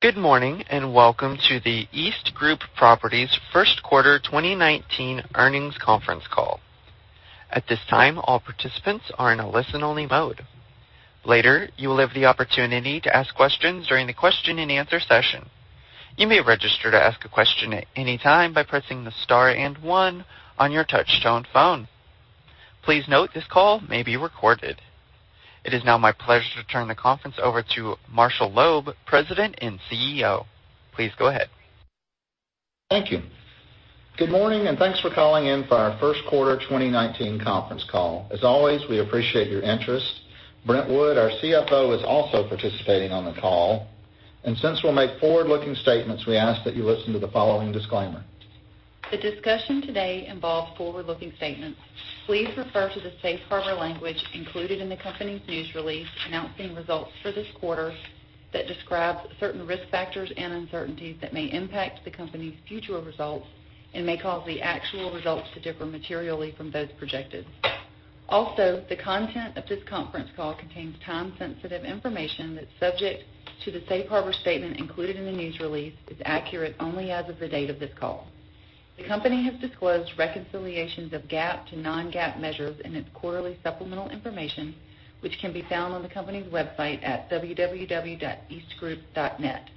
Good morning, and welcome to the EastGroup Properties first quarter 2019 earnings conference call. At this time, all participants are in a listen-only mode. Later, you will have the opportunity to ask questions during the question and answer session. You may register to ask a question at any time by pressing the star and one on your touch tone phone. Please note this call may be recorded. It is now my pleasure to turn the conference over to Marshall Loeb, President and CEO. Please go ahead. Thank you. Good morning and thanks for calling in for our first quarter 2019 conference call. As always, we appreciate your interest. Brent Wood, our CFO, is also participating on the call, and since we'll make forward-looking statements, we ask that you listen to the following disclaimer. The discussion today involves forward-looking statements. Please refer to the safe harbor language included in the company's news release announcing results for this quarter that describes certain risk factors and uncertainties that may impact the company's future results and may cause the actual results to differ materially from those projected. The content of this conference call contains time-sensitive information that's subject to the safe harbor statement included in the news release is accurate only as of the date of this call. The company has disclosed reconciliations of GAAP to non-GAAP measures in its quarterly supplemental information, which can be found on the company's website at www.eastgroup.net.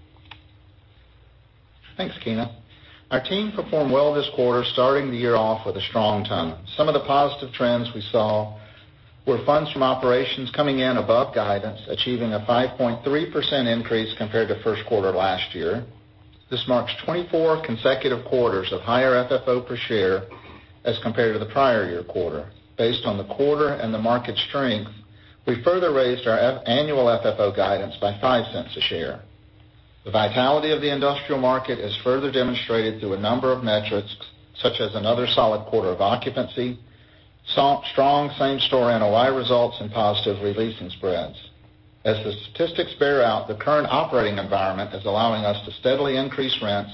Thanks, Keena. Our team performed well this quarter, starting the year off with a strong tone. Some of the positive trends we saw were funds from operations coming in above guidance, achieving a 5.3% increase compared to first quarter last year. This marks 24 consecutive quarters of higher FFO per share as compared to the prior year quarter. Based on the quarter and the market strength, we further raised our annual FFO guidance by $0.05 a share. The vitality of the industrial market is further demonstrated through a number of metrics, such as another solid quarter of occupancy, strong same-store NOI results, and positive re-leasing spreads. As the statistics bear out, the current operating environment is allowing us to steadily increase rents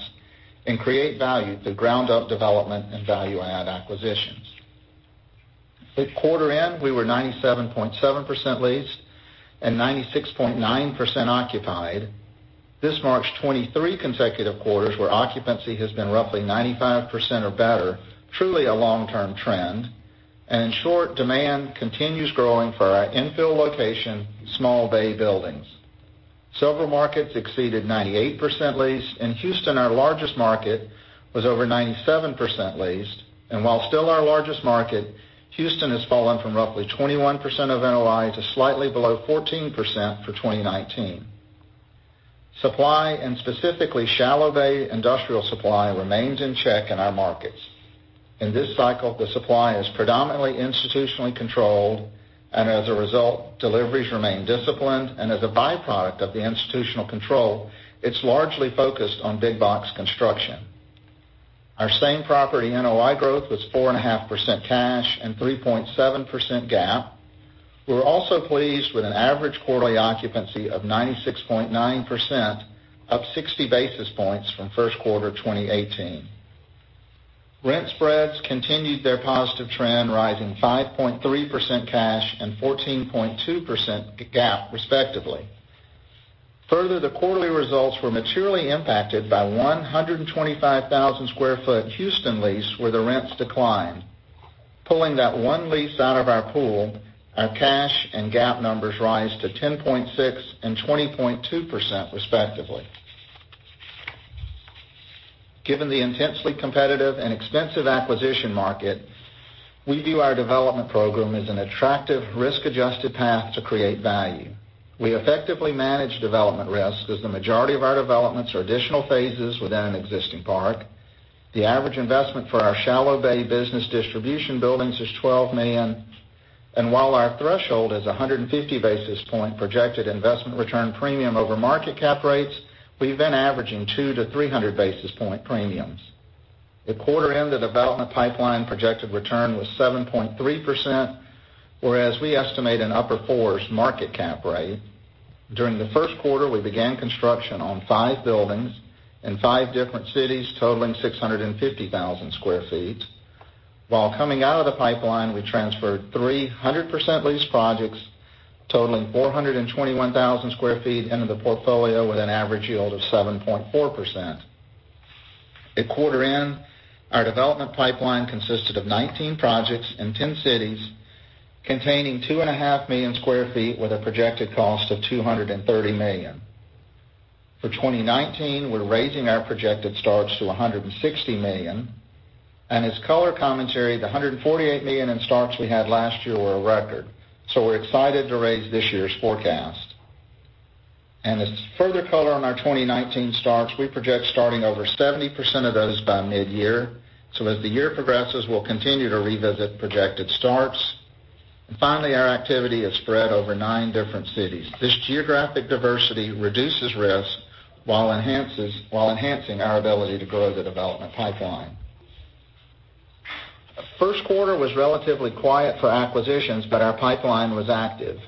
and create value through ground-up development and value-add acquisitions. At quarter end, we were 97.7% leased and 96.9% occupied. This marks 23 consecutive quarters where occupancy has been roughly 95% or better, truly a long-term trend. In short, demand continues growing for our infill location, shallow bay buildings. Several markets exceeded 98% leased. Houston, our largest market, was over 97% leased. While still our largest market, Houston has fallen from roughly 21% of NOI to slightly below 14% for 2019. Supply and specifically shallow bay industrial supply remains in check in our markets. In this cycle, the supply is predominantly institutionally controlled, and as a result, deliveries remain disciplined, and as a byproduct of the institutional control, it is largely focused on big box construction. Our same property NOI growth was 4.5% cash and 3.7% GAAP. We are also pleased with an average quarterly occupancy of 96.9%, up 60 basis points from first quarter 2018. Rent spreads continued their positive trend, rising 5.3% cash and 14.2% GAAP respectively. Further, the quarterly results were materially impacted by a 125,000 sq ft Houston lease where the rents declined. Pulling that one lease out of our pool, our cash and GAAP numbers rise to 10.6% and 20.2% respectively. Given the intensely competitive and extensive acquisition market, we view our development program as an attractive risk-adjusted path to create value. We effectively manage development risk as the majority of our developments are additional phases within an existing park. The average investment for our shallow bay business distribution buildings is $12 million. While our threshold is 150 basis point projected investment return premium over market cap rates, we have been averaging 200 to 300 basis point premiums. At quarter end, the development pipeline projected return was 7.3%, whereas we estimate an upper fours market cap rate. During the first quarter, we began construction on five buildings in five different cities totaling 650,000 sq ft. While coming out of the pipeline, we transferred three 100% leased projects totaling 421,000 sq ft into the portfolio with an average yield of 7.4%. At quarter end, our development pipeline consisted of 19 projects in 10 cities containing two and a half million sq ft with a projected cost of $230 million. For 2019, we are raising our projected starts to $160 million. As color commentary, the $148 million in starts we had last year were a record. We are excited to raise this year's forecast. As further color on our 2019 starts, we project starting over 70% of those by mid-year. As the year progresses, we will continue to revisit projected starts. Finally, our activity is spread over nine different cities. This geographic diversity reduces risk while enhancing our ability to grow the development pipeline. First quarter was relatively quiet for acquisitions, but our pipeline was active.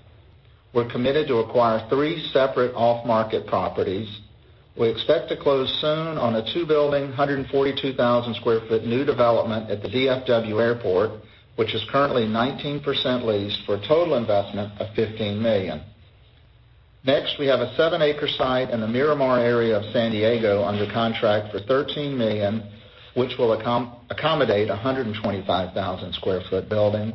We are committed to acquire three separate off-market properties. We expect to close soon on a two-building, 142,000 sq ft new development at the DFW Airport, which is currently 19% leased for a total investment of $15 million. Next, we have a seven-acre site in the Miramar area of San Diego under contract for $13 million, which will accommodate 125,000 sq ft building.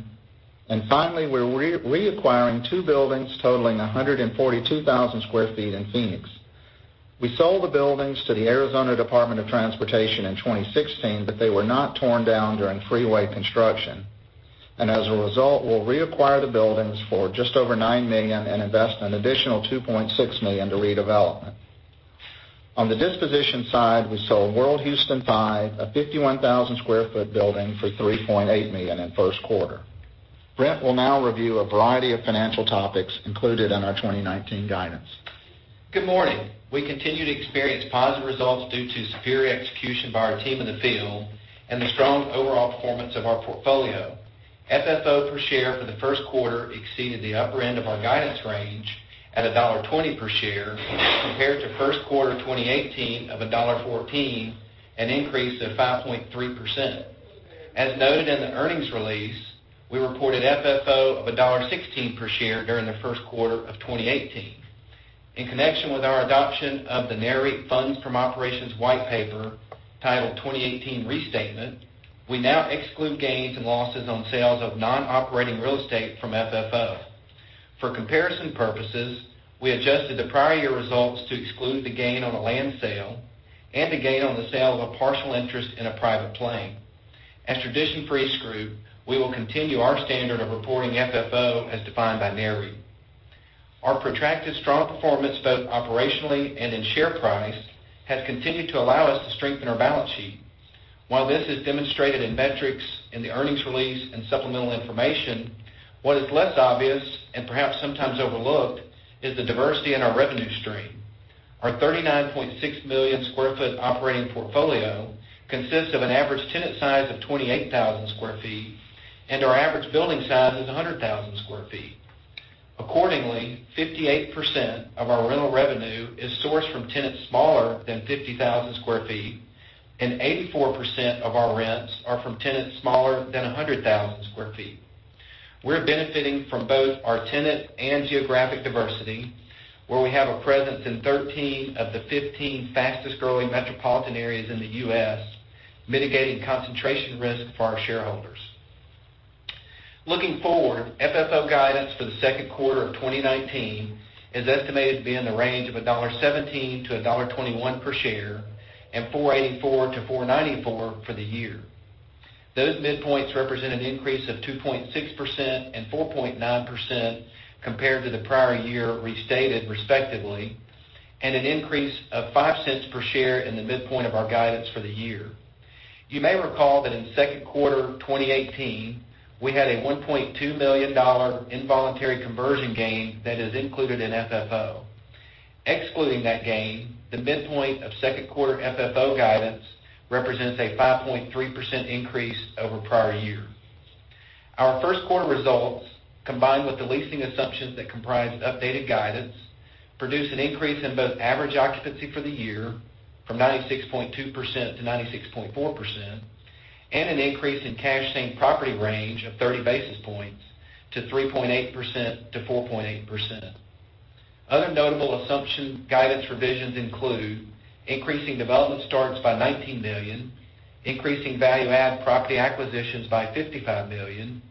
Finally, we are reacquiring two buildings totaling 142,000 sq ft in Phoenix. We sold the buildings to the Arizona Department of Transportation in 2016, but they were not torn down during freeway construction. As a result, we will reacquire the buildings for just over $9 million and invest an additional $2.6 million to redevelopment. On the disposition side, we sold World Houston Five, a 51,000 sq ft building for $3.8 million in the first quarter. Brent will now review a variety of financial topics included in our 2019 guidance. Good morning. We continue to experience positive results due to superior execution by our team in the field and the strong overall performance of our portfolio. FFO per share for the first quarter exceeded the upper end of our guidance range at $1.20 per share compared to first quarter 2018 of $1.14, an increase of 5.3%. As noted in the earnings release, we reported FFO of $1.16 per share during the first quarter of 2018. In connection with our adoption of the Nareit Funds From Operations white paper titled 2018 Restatement, we now exclude gains and losses on sales of non-operating real estate from FFO. For comparison purposes, we adjusted the prior year results to exclude the gain on a land sale and the gain on the sale of a partial interest in a private plane. As tradition for EastGroup, we will continue our standard of reporting FFO as defined by Nareit. Our protracted strong performance, both operationally and in share price, has continued to allow us to strengthen our balance sheet. While this is demonstrated in metrics in the earnings release and supplemental information, what is less obvious and perhaps sometimes overlooked is the diversity in our revenue stream. Our 39.6 million sq ft operating portfolio consists of an average tenant size of 28,000 sq ft, and our average building size is 100,000 sq ft. Accordingly, 58% of our rental revenue is sourced from tenants smaller than 50,000 sq ft, and 84% of our rents are from tenants smaller than 100,000 sq ft. We're benefiting from both our tenant and geographic diversity, where we have a presence in 13 of the 15 fastest-growing metropolitan areas in the U.S., mitigating concentration risk for our shareholders. Looking forward, FFO guidance for the second quarter of 2019 is estimated to be in the range of $1.17 to $1.21 per share and $4.84 to $4.94 for the year. Those midpoints represent an increase of 2.6% and 4.9% compared to the prior year restated respectively, and an increase of $0.05 per share in the midpoint of our guidance for the year. You may recall that in the second quarter of 2018, we had a $1.2 million involuntary conversion gain that is included in FFO. Excluding that gain, the midpoint of second quarter FFO guidance represents a 5.3% increase over the prior year. Our first quarter results, combined with the leasing assumptions that comprise updated guidance, produce an increase in both average occupancy for the year from 96.2% to 96.4%, and an increase in cash same-store NOI of 30 basis points to 3.8%-4.8%. Other notable assumption guidance revisions include increasing development starts by $19 million, increasing value-add property acquisitions by $55 million,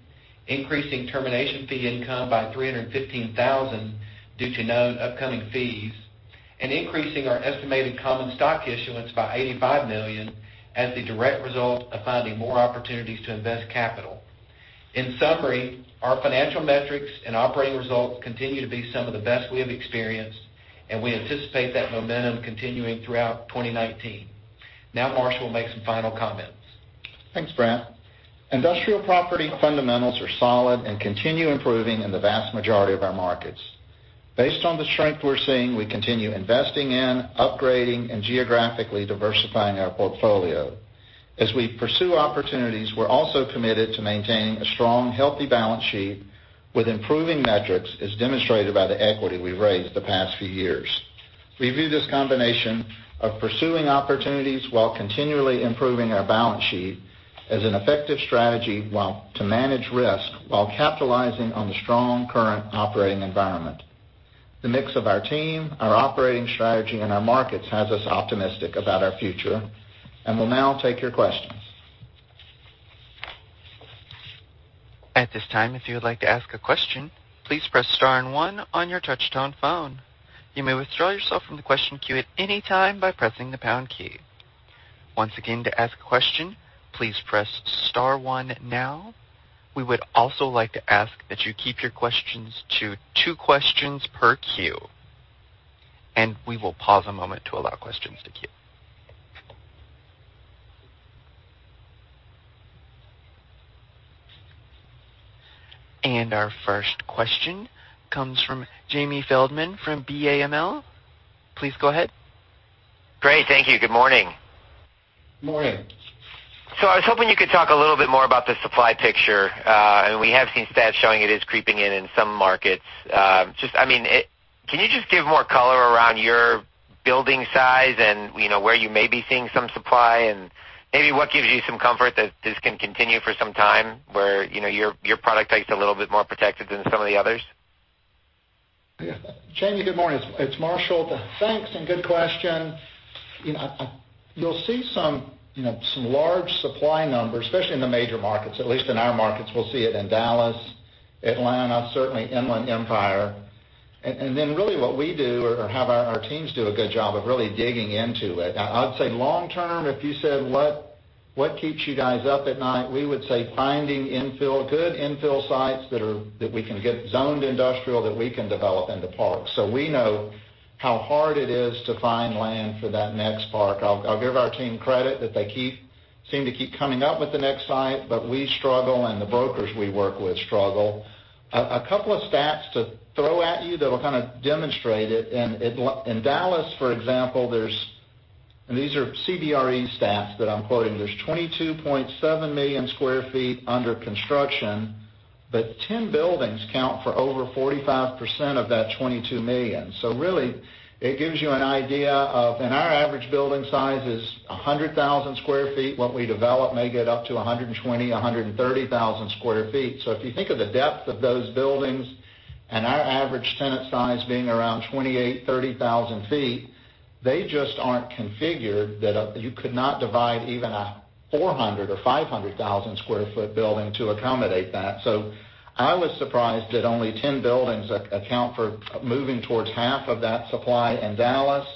increasing termination fee income by $315,000 due to known upcoming fees, and increasing our estimated common stock issuance by $85 million as the direct result of finding more opportunities to invest capital. In summary, our financial metrics and operating results continue to be some of the best we have experienced, and we anticipate that momentum continuing throughout 2019. Marshall will make some final comments. Thanks, Brent. Industrial property fundamentals are solid and continue improving in the vast majority of our markets. Based on the strength we're seeing, we continue investing in upgrading and geographically diversifying our portfolio. As we pursue opportunities, we're also committed to maintaining a strong, healthy balance sheet with improving metrics as demonstrated by the equity we've raised the past few years. We view this combination of pursuing opportunities while continually improving our balance sheet as an effective strategy to manage risk while capitalizing on the strong current operating environment. The mix of our team, our operating strategy, and our markets has us optimistic about our future. We'll now take your questions. At this time, if you would like to ask a question, please press star and one on your touch-tone phone. You may withdraw yourself from the question queue at any time by pressing the pound key. Once again, to ask a question, please press star one now. We would also like to ask that you keep your questions to two questions per queue. We will pause a moment to allow questions to queue. Our first question comes from Jamie Feldman from BAML. Please go ahead. Great. Thank you. Good morning. Morning. I was hoping you could talk a little bit more about the supply picture. We have seen stats showing it is creeping in in some markets. Can you just give more color around your building size and where you may be seeing some supply, and maybe what gives you some comfort that this can continue for some time where your product type's a little bit more protected than some of the others? Yeah. Jamie, good morning. It's Marshall. Thanks. Good question. You'll see some large supply numbers, especially in the major markets. At least in our markets, we'll see it in Dallas, Atlanta, certainly Inland Empire. Then really what we do or have our teams do a good job of really digging into it. I would say long-term, if you said, what keeps you guys up at night, we would say finding good infill sites that we can get zoned industrial that we can develop into parks. We know how hard it is to find land for that next park. I'll give our team credit that they seem to keep coming up with the next site, but we struggle, and the brokers we work with struggle. A couple of stats to throw at you that'll kind of demonstrate it. In Dallas, for example, these are CBRE stats that I'm quoting. There's 22.7 million square feet under construction, 10 buildings count for over 45% of that 22 million. Our average building size is 100,000 square feet. What we develop may get up to 120,000, 130,000 square feet. If you think of the depth of those buildings and our average tenant size being around 28,000, 30,000 feet, they just aren't configured that you could not divide even a 400,000 or 500,000 square foot building to accommodate that. I was surprised that only 10 buildings account for moving towards half of that supply in Dallas.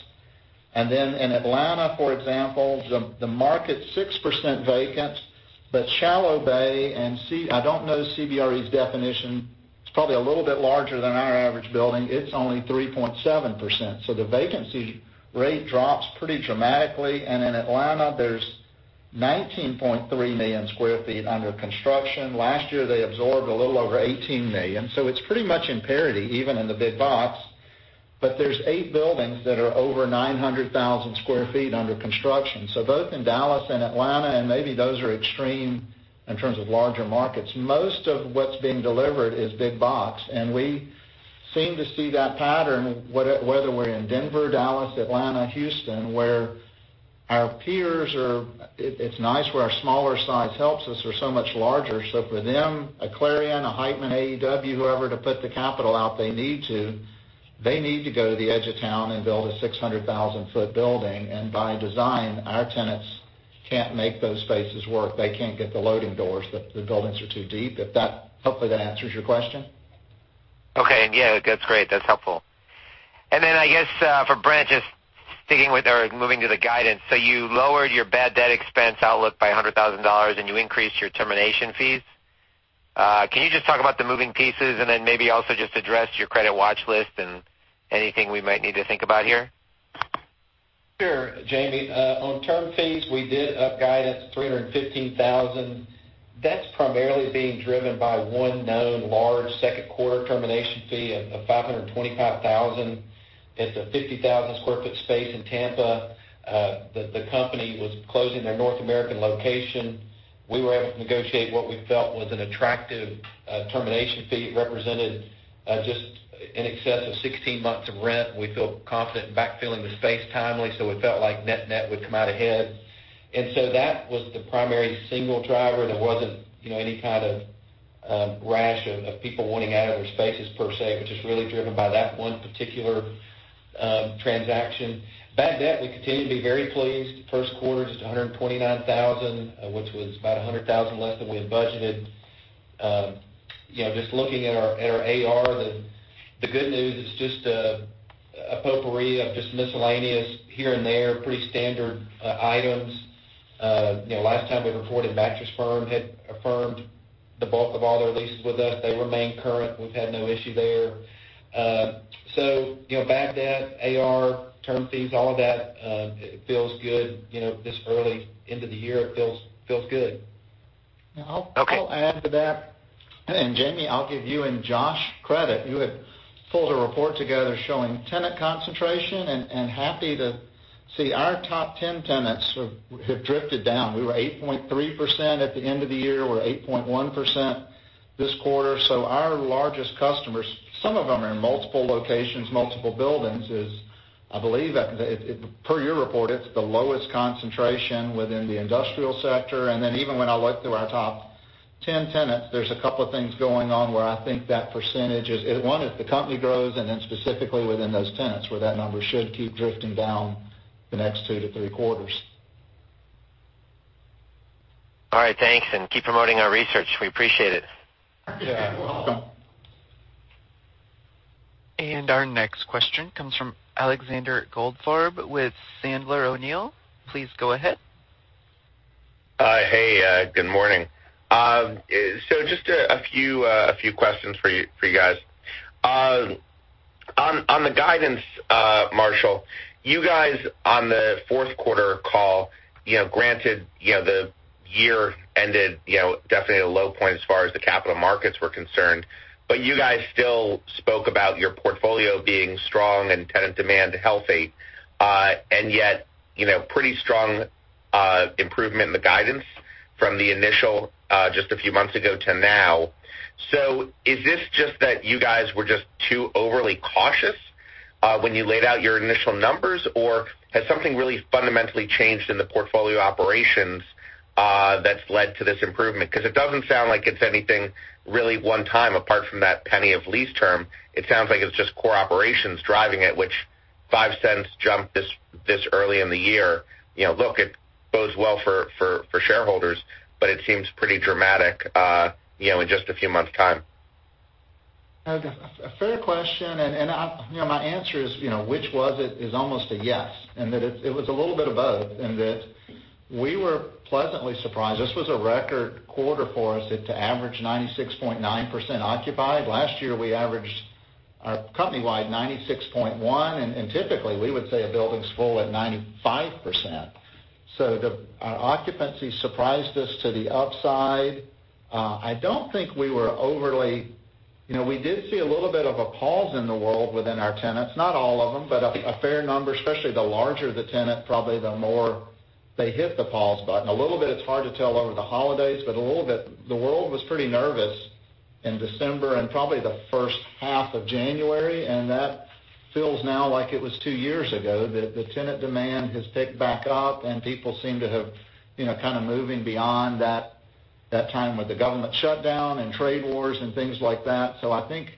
In Atlanta, for example, the market's 6% vacant, but shallow bay and C I don't know CBRE's definition. It's probably a little bit larger than our average building. It's only 3.7%. The vacancy rate drops pretty dramatically. In Atlanta, there's 19.3 million square feet under construction. Last year, they absorbed a little over 18 million. It's pretty much in parity, even in the big box. There's eight buildings that are over 900,000 square feet under construction. Both in Dallas and Atlanta, maybe those are extreme in terms of larger markets. Most of what's being delivered is big box. We seem to see that pattern, whether we're in Denver, Dallas, Atlanta, Houston, where our peers are. It's nice where our smaller size helps us. We're so much larger. For them, a Clarion, a Heitman, AEW, whoever to put the capital out there, they need to go to the edge of town and build a 600,000-foot building. By design, our tenants can't make those spaces work. They can't get the loading doors. The buildings are too deep. Hopefully, that answers your question. Yeah, that's great. That's helpful. I guess for Brent, just moving to the guidance. You lowered your bad debt expense outlook by $100,000, and you increased your termination fees. Can you just talk about the moving pieces and then maybe also just address your credit watch list and anything we might need to think about here? Sure, Jamie. On term fees, we did up guidance $315,000. That's primarily being driven by one known large second quarter termination fee of $525,000. It's a 50,000 sq ft space in Tampa. The company was closing their North American location. We were able to negotiate what we felt was an attractive termination fee. It represented just in excess of 16 months of rent, and we feel confident in backfilling the space timely. We felt like net-net would come out ahead. That was the primary single driver. There wasn't any kind of rash of people wanting out of their spaces per se. It was just really driven by that one particular transaction. Bad debt, we continue to be very pleased. First quarter, just $129,000, which was about $100,000 less than we had budgeted. Just looking at our AR, the good news is just a potpourri of just miscellaneous here and there, pretty standard items. Last time we reported, Mattress Firm had affirmed the bulk of all their leases with us. They remain current. We've had no issue there. Bad debt, AR, term fees, all of that, it feels good. This early into the year, it feels good. Okay. I'll add to that. Jamie, I'll give you and Josh credit. You had pulled a report together showing tenant concentration, and happy to see our top 10 tenants have drifted down. We were 8.3% at the end of the year. We're 8.1% this quarter. Our largest customers, some of them are in multiple locations, multiple buildings, is, I believe, per your report, it's the lowest concentration within the industrial sector. Even when I look through our top 10 tenants, there's a couple of things going on where I think that percentage is One, if the company grows, and then specifically within those tenants, where that number should keep drifting down the next two to three quarters. All right. Thanks. Keep promoting our research. We appreciate it. Yeah. You're welcome. Our next question comes from Alexander Goldfarb with Sandler O'Neill. Please go ahead. Good morning. Just a few questions for you guys. On the guidance, Marshall, you guys on the fourth quarter call granted the year ended definitely at a low point as far as the capital markets were concerned. You guys still spoke about your portfolio being strong and tenant demand healthy. Yet, pretty strong improvement in the guidance from the initial, just a few months ago to now. Is this just that you guys were just too overly cautious, when you laid out your initial numbers, or has something really fundamentally changed in the portfolio operations that's led to this improvement? It doesn't sound like it's anything really one time, apart from that penny of lease term. It sounds like it's just core operations driving it, which $0.05 jump this early in the year. Look, it bodes well for shareholders, but it seems pretty dramatic, in just a few months' time. A fair question, and my answer is, which was it, is almost a yes, in that it was a little bit of both, in that we were pleasantly surprised. This was a record quarter for us to average 96.9% occupied. Last year, we averaged company-wide 96.1%, and typically we would say a building's full at 95%. Our occupancy surprised us to the upside. I don't think we were overly. We did see a little bit of a pause in the world within our tenants. Not all of them, but a fair number, especially the larger the tenant, probably the more they hit the pause button. A little bit, it's hard to tell over the holidays, but a little bit, the world was pretty nervous in December and probably the first half of January, and that feels now like it was two years ago, that the tenant demand has picked back up and people seem to have kind of moving beyond that time with the government shutdown and trade wars and things like that. I think,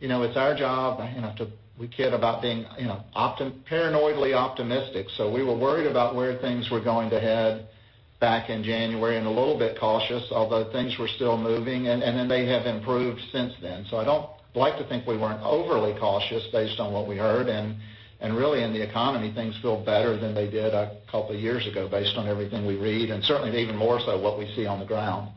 it's our job to. We kid about being paranoidly optimistic. We were worried about where things were going to head back in January and a little bit cautious, although things were still moving, and then they have improved since then. I don't like to think we weren't overly cautious based on what we heard. Really in the economy, things feel better than they did a couple of years ago based on everything we read, and certainly even more so what we see on the ground.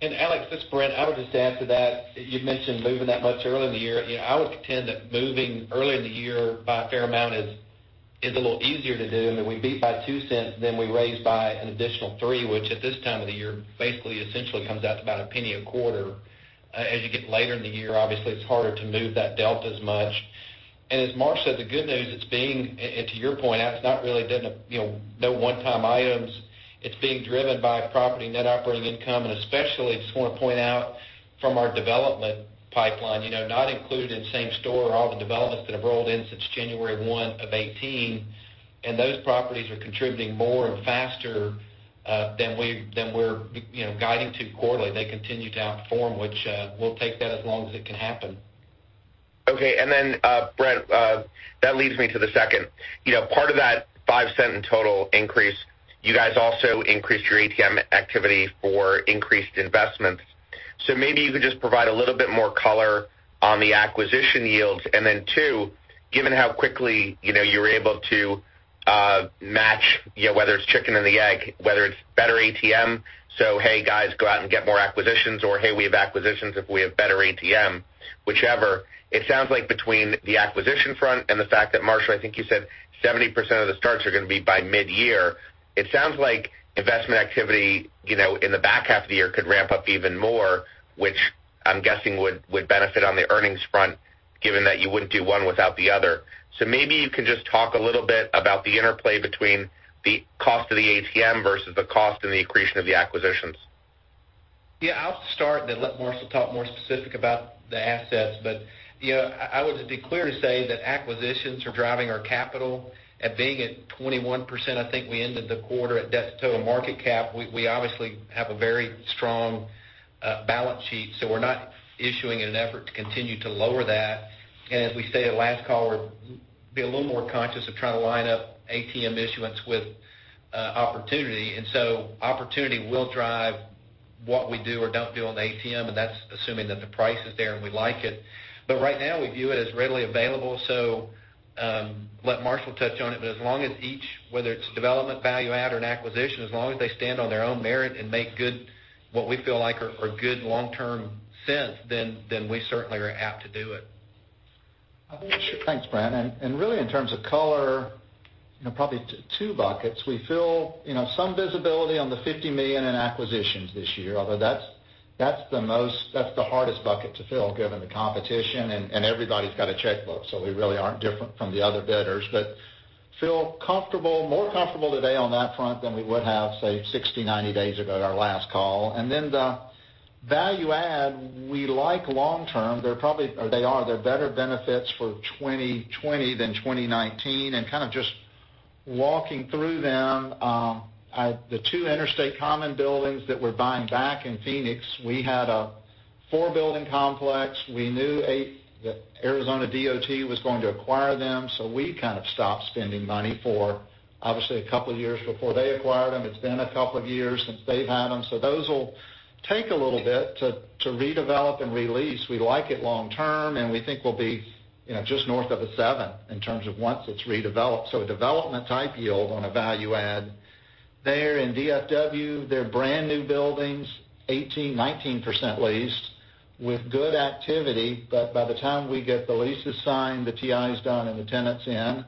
Alex, this is Brent. I would just add to that, you mentioned moving that much early in the year. I would contend that moving early in the year by a fair amount is a little easier to do. I mean, we beat by $0.02, then we raised by an additional $0.03, which at this time of the year, basically essentially comes out to about $0.01 a quarter. As you get later in the year, obviously, it's harder to move that delta as much. As Marshall said, the good news, and to your point, it's no one-time items. It's being driven by property net operating income, and especially, I just want to point out from our development pipeline, not included in same-store, all the developments that have rolled in since January 1 of 2018, those properties are contributing more and faster, than we're guiding to quarterly. They continue to outperform, which we'll take that as long as it can happen. Okay. Brent, that leads me to the second. Part of that $0.05 total increase, you guys also increased your ATM activity for increased investments. Maybe you could just provide a little bit more color on the acquisition yields. Then two, given how quickly you were able to match, whether it's chicken and the egg, whether it's better ATM, so hey guys, go out and get more acquisitions, or hey, we have acquisitions if we have better ATM, whichever. It sounds like between the acquisition front and the fact that Marshall, I think you said 70% of the starts are going to be by mid-year. It sounds like investment activity in the back half of the year could ramp up even more, which I'm guessing would benefit on the earnings front, given that you wouldn't do one without the other. maybe you can just talk a little bit about the interplay between the cost of the ATM versus the cost and the accretion of the acquisitions. Yeah, then let Marshall talk more specific about the assets. I would be clear to say that acquisitions are driving our capital at being at 21%. We ended the quarter at debt-to-total market cap. We obviously have a very strong balance sheet, so we're not issuing an effort to continue to lower that. As we said at last call, we'll be a little more conscious of trying to line up ATM issuance with opportunity. Opportunity will drive what we do or don't do on the ATM, and that's assuming that the price is there and we like it. Right now, we view it as readily available. Let Marshall touch on it, as long as each, whether it's development, value add or an acquisition, as long as they stand on their own merit and make good, what we feel like are good long-term sense, we certainly are apt to do it. Thanks, Brent. Really in terms of color, probably two buckets. We feel some visibility on the $50 million in acquisitions this year, although that's the hardest bucket to fill given the competition, and everybody's got a checkbook, so we really aren't different from the other bidders. Feel more comfortable today on that front than we would have, say, 60, 90 days ago at our last call. Then the value add, we like long term. There are better benefits for 2020 than 2019. Kind of just walking through them, the two Interstate Commons buildings that we're buying back in Phoenix, we had a four-building complex. We knew that Arizona DOT was going to acquire them, so we kind of stopped spending money for obviously a couple of years before they acquired them. It's been a couple of years since they've had them. Those will take a little bit to redevelop and re-lease. We like it long term, and we think we'll be just north of a 7 in terms of once it's redeveloped. A development type yield on a value add. There in DFW, they're brand-new buildings, 18%, 19% leased with good activity. By the time we get the leases signed, the TI is done, and the tenant's in.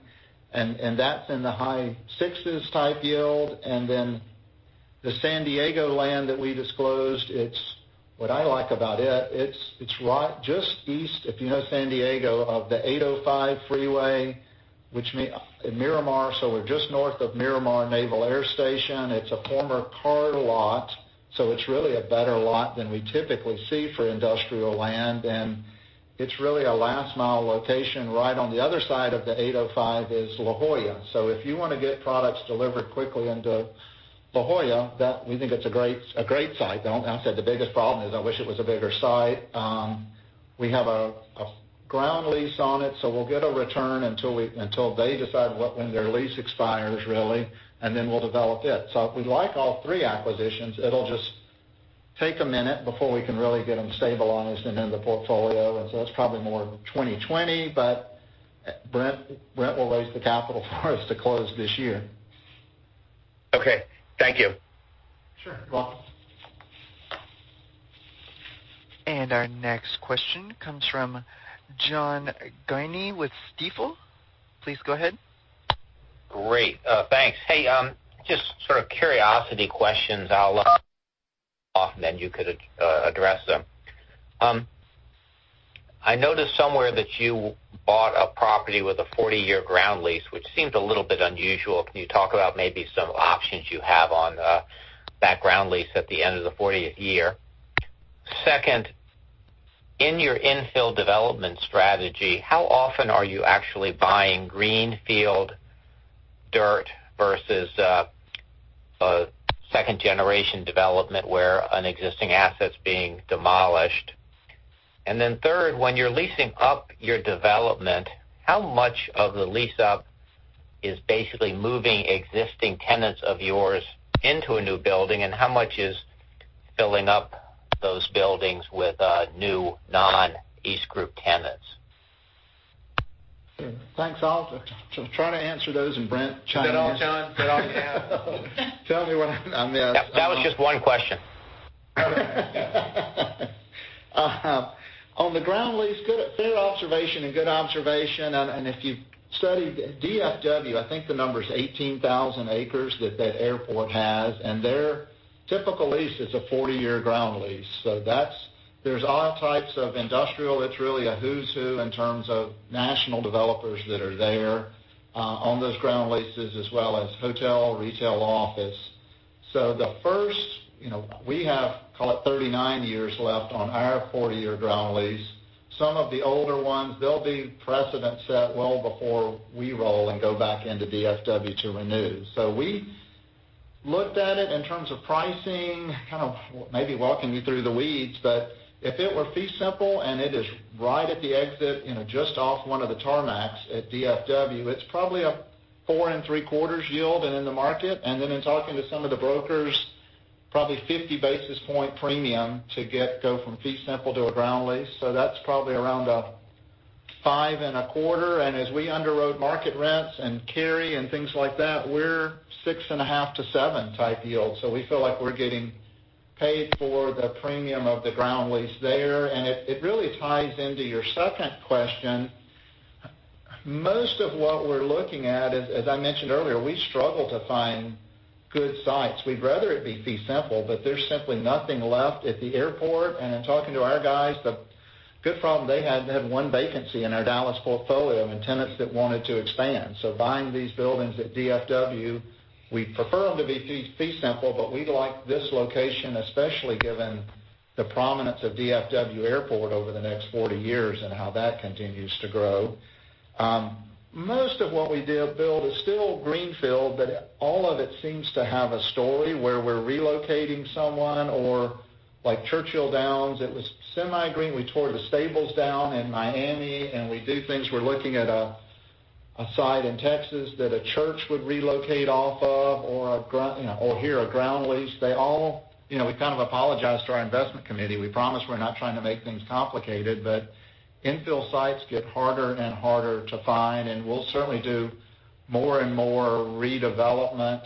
That's in the high 6s type yield. The San Diego land that we disclosed, what I like about it's right just east, if you know San Diego, of the 805 freeway, in Miramar. We're just north of Miramar Naval Air Station. It's a former car lot, it's really a better lot than we typically see for industrial land. It's really a last-mile location. Right on the other side of the 805 is La Jolla. If you want to get products delivered quickly into La Jolla, we think it's a great site. The only downside, the biggest problem is I wish it was a bigger site. We have a ground lease on it, we'll get a return until they decide when their lease expires, really, and then we'll develop it. We like all three acquisitions. It'll just take a minute before we can really get them stabilized and in the portfolio. It's probably more 2020, Brent will raise the capital for us to close this year. Okay. Thank you. Sure. You're welcome. Our next question comes from John Guinee with Stifel. Please go ahead. Great. Thanks. Hey, just sort of curiosity questions. I'll off, then you could address them. I noticed somewhere that you bought a property with a 40-year ground lease, which seems a little bit unusual. Can you talk about maybe some options you have on that ground lease at the end of the 40th year? Second, in your infill development strategy, how often are you actually buying greenfield dirt versus second-generation development where an existing asset's being demolished? And then third, when you're leasing up your development, how much of the lease-up is basically moving existing tenants of yours into a new building, and how much is filling up those buildings with new non-EastGroup tenants? Thanks. I'll try to answer those, Brent chime in. Is that all, John? Is that all you have? Tell me when I'm That was just one question. On the ground lease, fair observation, good observation. If you've studied DFW, I think the number's 18,000 acres that that airport has. Their typical lease is a 40-year ground lease. There's all types of industrial. It's really a who's who in terms of national developers that are there on those ground leases, as well as hotel, retail, office. The first, we have, call it, 39 years left on our 40-year ground lease. Some of the older ones, there'll be precedent set well before we roll and go back into DFW to renew. We looked at it in terms of pricing, kind of maybe walking you through the weeds. If it were fee simple and it is right at the exit, just off one of the tarmacs at DFW, it's probably a four and three-quarters yield and in the market. In talking to some of the brokers, probably 50 basis point premium to go from fee simple to a ground lease. That's probably around a five and a quarter. As we underwrote market rents and carry and things like that, we're six and a half to seven type yield. We feel like we're getting paid for the premium of the ground lease there. It really ties into your second question. Most of what we're looking at is, as I mentioned earlier, we struggle to find good sites. We'd rather it be fee simple, there's simply nothing left at the airport. In talking to our guys, the good problem they had, they have one vacancy in our Dallas portfolio and tenants that wanted to expand. Buying these buildings at DFW, we'd prefer them to be fee simple, but we like this location, especially given the prominence of DFW Airport over the next 40 years and how that continues to grow. Most of what we build is still greenfield, but all of it seems to have a story where we're relocating someone or like Churchill Downs, it was semi green. We tore the stables down in Miami, and we do things. We're looking at a site in Texas that a church would relocate off of, or here, a ground lease. We kind of apologized to our investment committee. We promised we're not trying to make things complicated, but infill sites get harder and harder to find, and we'll certainly do more and more redevelopment.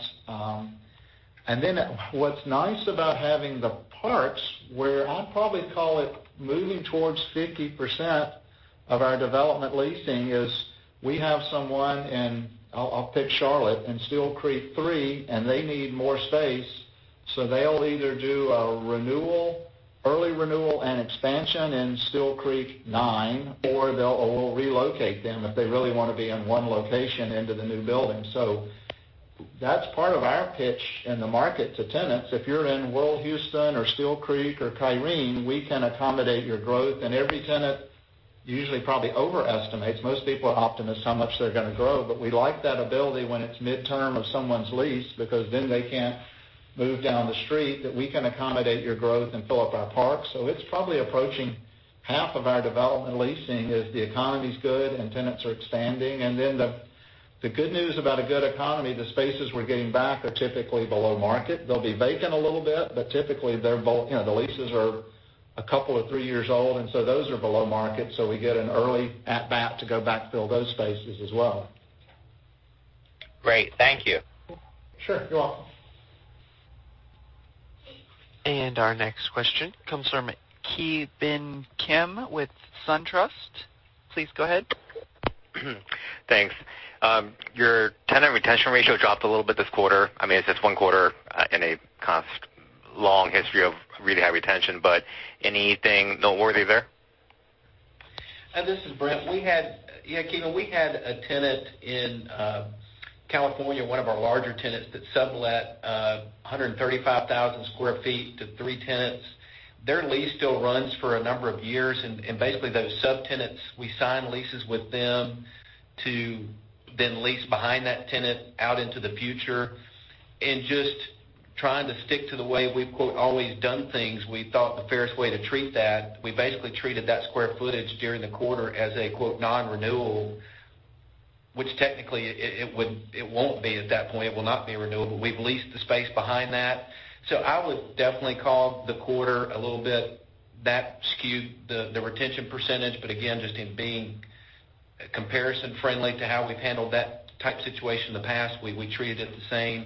What's nice about having the parks, where I'd probably call it moving towards 50% of our development leasing, is we have someone in, I'll pick Charlotte, in Steel Creek 3, and they need more space. They'll either do an early renewal and expansion in Steel Creek 9, or we'll relocate them if they really want to be in one location into the new building. That's part of our pitch in the market to tenants. If you're in World Houston or Steel Creek or Kyrene, we can accommodate your growth. Every tenant usually probably overestimates. Most people are optimists how much they're gonna grow. We like that ability when it's midterm of someone's lease, because then they can't move down the street, that we can accommodate your growth and fill up our parks. It's probably approaching half of our development leasing as the economy's good and tenants are expanding. The good news about a good economy, the spaces we're getting back are typically below market. They'll be vacant a little bit, but typically, the leases are a couple of three years old, and so those are below market. We get an early at-bat to go backfill those spaces as well. Great. Thank you. Sure. You're welcome. Our next question comes from Ki Bin Kim with SunTrust. Please go ahead. Thanks. Your tenant retention ratio dropped a little bit this quarter. It's just one quarter in a long history of really high retention, but anything noteworthy there? This is Brent. Yeah, Ki Bin, we had a tenant in California, one of our larger tenants, that sublet 135,000 square feet to three tenants. Their lease still runs for a number of years. Basically, those subtenants, we sign leases with them to then lease behind that tenant out into the future. Just trying to stick to the way we've, quote, "always done things," we thought the fairest way to treat that, we basically treated that square footage during the quarter as a, quote, "non-renewal," which technically, it won't be at that point. It will not be renewable. We've leased the space behind that. I would definitely call the quarter a little bit That skewed the retention percentage. Again, just in being comparison-friendly to how we've handled that type situation in the past, we treated it the same.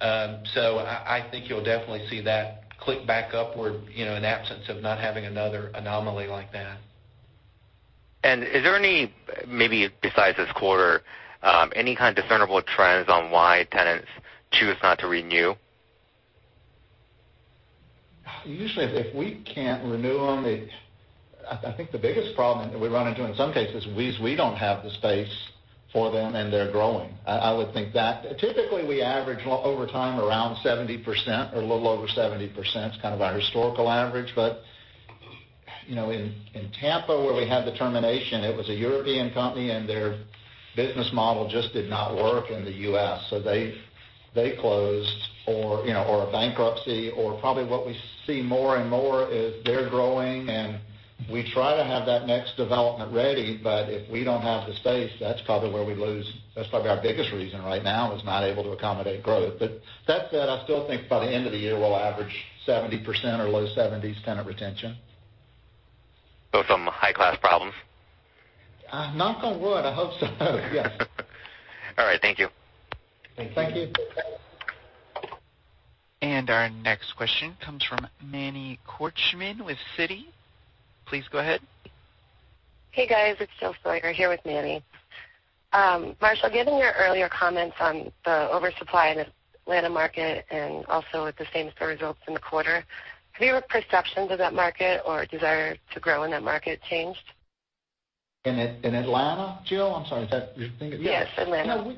I think you'll definitely see that click back upward, in absence of not having another anomaly like that. Is there any, maybe besides this quarter, any kind of discernible trends on why tenants choose not to renew? Usually, if we can't renew them, I think the biggest problem that we run into in some cases is we don't have the space for them, and they're growing. I would think that. Typically, we average over time around 70% or a little over 70%, it's kind of our historical average. In Tampa where we had the termination, it was a European company, and their business model just did not work in the U.S. They closed. A bankruptcy, or probably what we see more and more is they're growing, and we try to have that next development ready, but if we don't have the space, that's probably our biggest reason right now, is not able to accommodate growth. That said, I still think by the end of the year, we'll average 70% or low 70s tenant retention. Some high-class problems. Knock on wood, I hope so yes. All right. Thank you. Thank you. Our next question comes from Manny Korchman with Citi. Please go ahead. Hey, guys, it's Jill Schleicher here with Manny. Marshall, given your earlier comments on the oversupply in the Atlanta market and also with the same-store results in the quarter, have your perceptions of that market or desire to grow in that market changed? In Atlanta, Jill? I'm sorry. Is that your thing? Yes, Atlanta.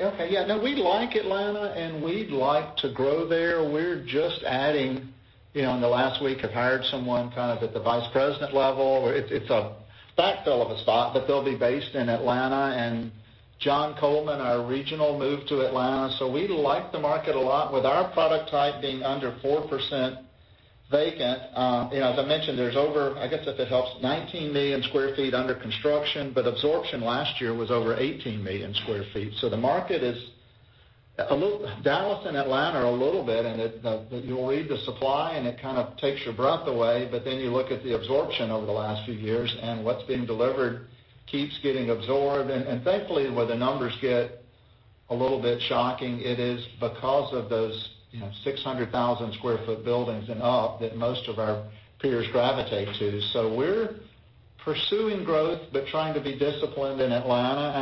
Okay, yeah. We like Atlanta, and we'd like to grow there. In the last week, have hired someone at the vice president level. It's a backfill of a spot, but they'll be based in Atlanta. John Coleman, our regional, moved to Atlanta. We like the market a lot with our product type being under 4% vacant. As I mentioned, there's over, I guess if it helps, 19 million square feet under construction, but absorption last year was over 18 million square feet. The market is Dallas and Atlanta are a little bit, and you'll read the supply, and it kind of takes your breath away, but then you look at the absorption over the last few years, and what's being delivered keeps getting absorbed. Thankfully, where the numbers get a little bit shocking, it is because of those 600,000 sq ft buildings and up that most of our peers gravitate to. We're pursuing growth, but trying to be disciplined in Atlanta,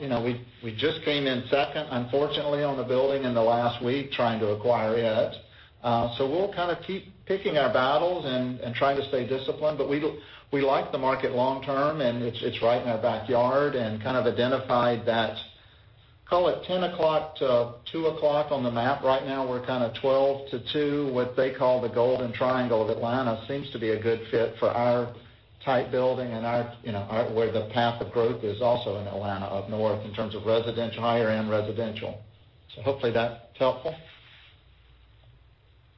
and we just came in second, unfortunately, on a building in the last week, trying to acquire it. We'll kind of keep picking our battles and trying to stay disciplined, but we like the market long-term, and it's right in our backyard and kind of identified that, call it 10:00 to 2:00 on the map right now. We're kind of 12:00 to 2:00. What they call the Golden Triangle of Atlanta seems to be a good fit for our type building and where the path of growth is also in Atlanta up north in terms of higher-end residential. Hopefully that's helpful.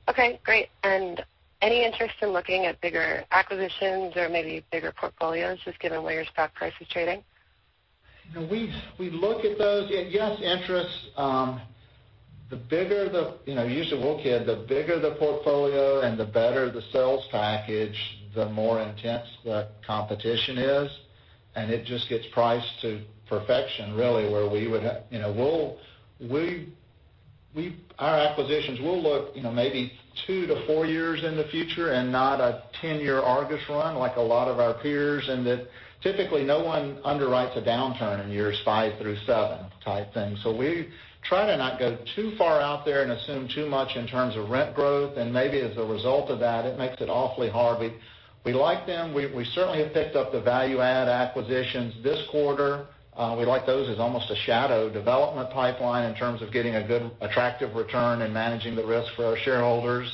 Okay, great. Any interest in looking at bigger acquisitions or maybe bigger portfolios, just given the way your stock price is trading? We look at those. Yes, interest. Usually we'll kid, the bigger the portfolio and the better the sales package, the more intense the competition is. It just gets priced to perfection, really, where our acquisitions, we'll look maybe 2 to 4 years in the future and not a 10-year ARGUS run like a lot of our peers. That typically no one underwrites a downturn in years 5 through 7 type thing. We try to not go too far out there and assume too much in terms of rent growth. Maybe as a result of that, it makes it awfully hard. We like them. We certainly have picked up the value-add acquisitions this quarter. We like those as almost a shadow development pipeline in terms of getting a good, attractive return and managing the risk for our shareholders.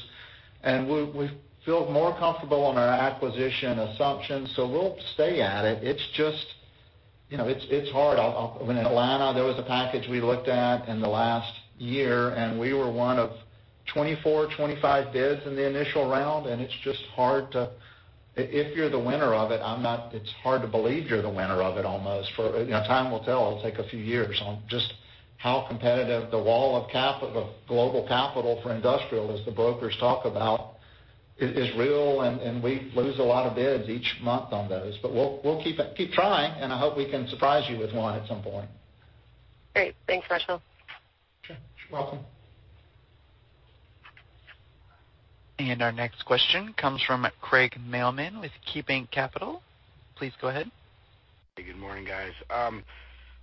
We feel more comfortable in our acquisition assumptions, we'll stay at it. It's hard. In Atlanta, there was a package we looked at in the last year, and we were one of 24, 25 bids in the initial round, If you're the winner of it's hard to believe you're the winner of it almost. Time will tell. It'll take a few years on just how competitive the wall of global capital for industrial, as the brokers talk about, is real, and we lose a lot of bids each month on those. We'll keep trying, and I hope we can surprise you with one at some point. Great. Thanks, Marshall. Okay. You're welcome. Our next question comes from Craig Mailman with KeyBanc Capital. Please go ahead. Hey. Good morning, guys.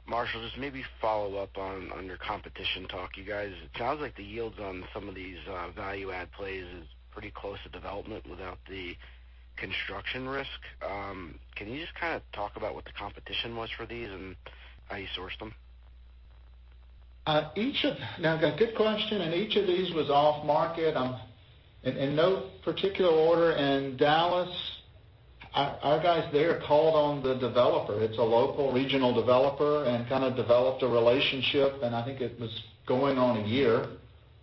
Marshall, just maybe follow up on your competition talk. You guys, it sounds like the yields on some of these value-add plays is pretty close to development without the construction risk. Can you just talk about what the competition was for these and how you sourced them? Good question. Each of these was off-market, in no particular order. In Dallas, our guys there called on the developer. It's a local regional developer and kind of developed a relationship, and I think it was going on a year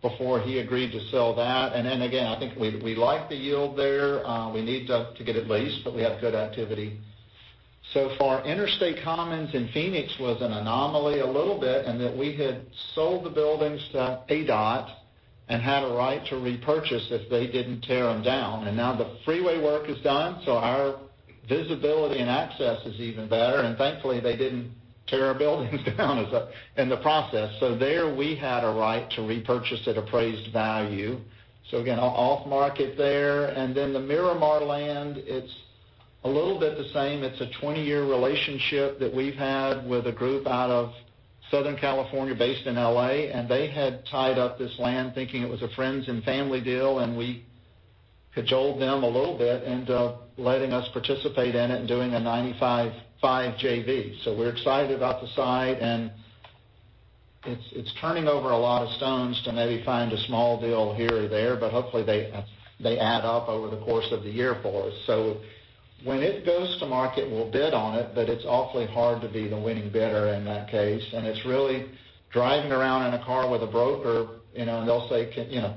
before he agreed to sell that. Again, I think we like the yield there. We need to get it leased, but we have good activity. Interstate Commons in Phoenix was an anomaly a little bit, in that we had sold the buildings to ADOT and had a right to repurchase if they didn't tear them down. The freeway work is done, so our visibility and access is even better, and thankfully, they didn't tear our buildings down in the process. There we had a right to repurchase at appraised value. Again, off-market there. The Miramar land, it's a little bit the same. It's a 20-year relationship that we've had with a group out of Southern California, based in L.A., and they had tied up this land thinking it was a friends and family deal, and we cajoled them a little bit into letting us participate in it and doing a 95/5 JV. We're excited about the site, and it's turning over a lot of stones to maybe find a small deal here or there, but hopefully they add up over the course of the year for us. When it goes to market, we'll bid on it, but it's awfully hard to be the winning bidder in that case. It's really driving around in a car with a broker, and they'll say,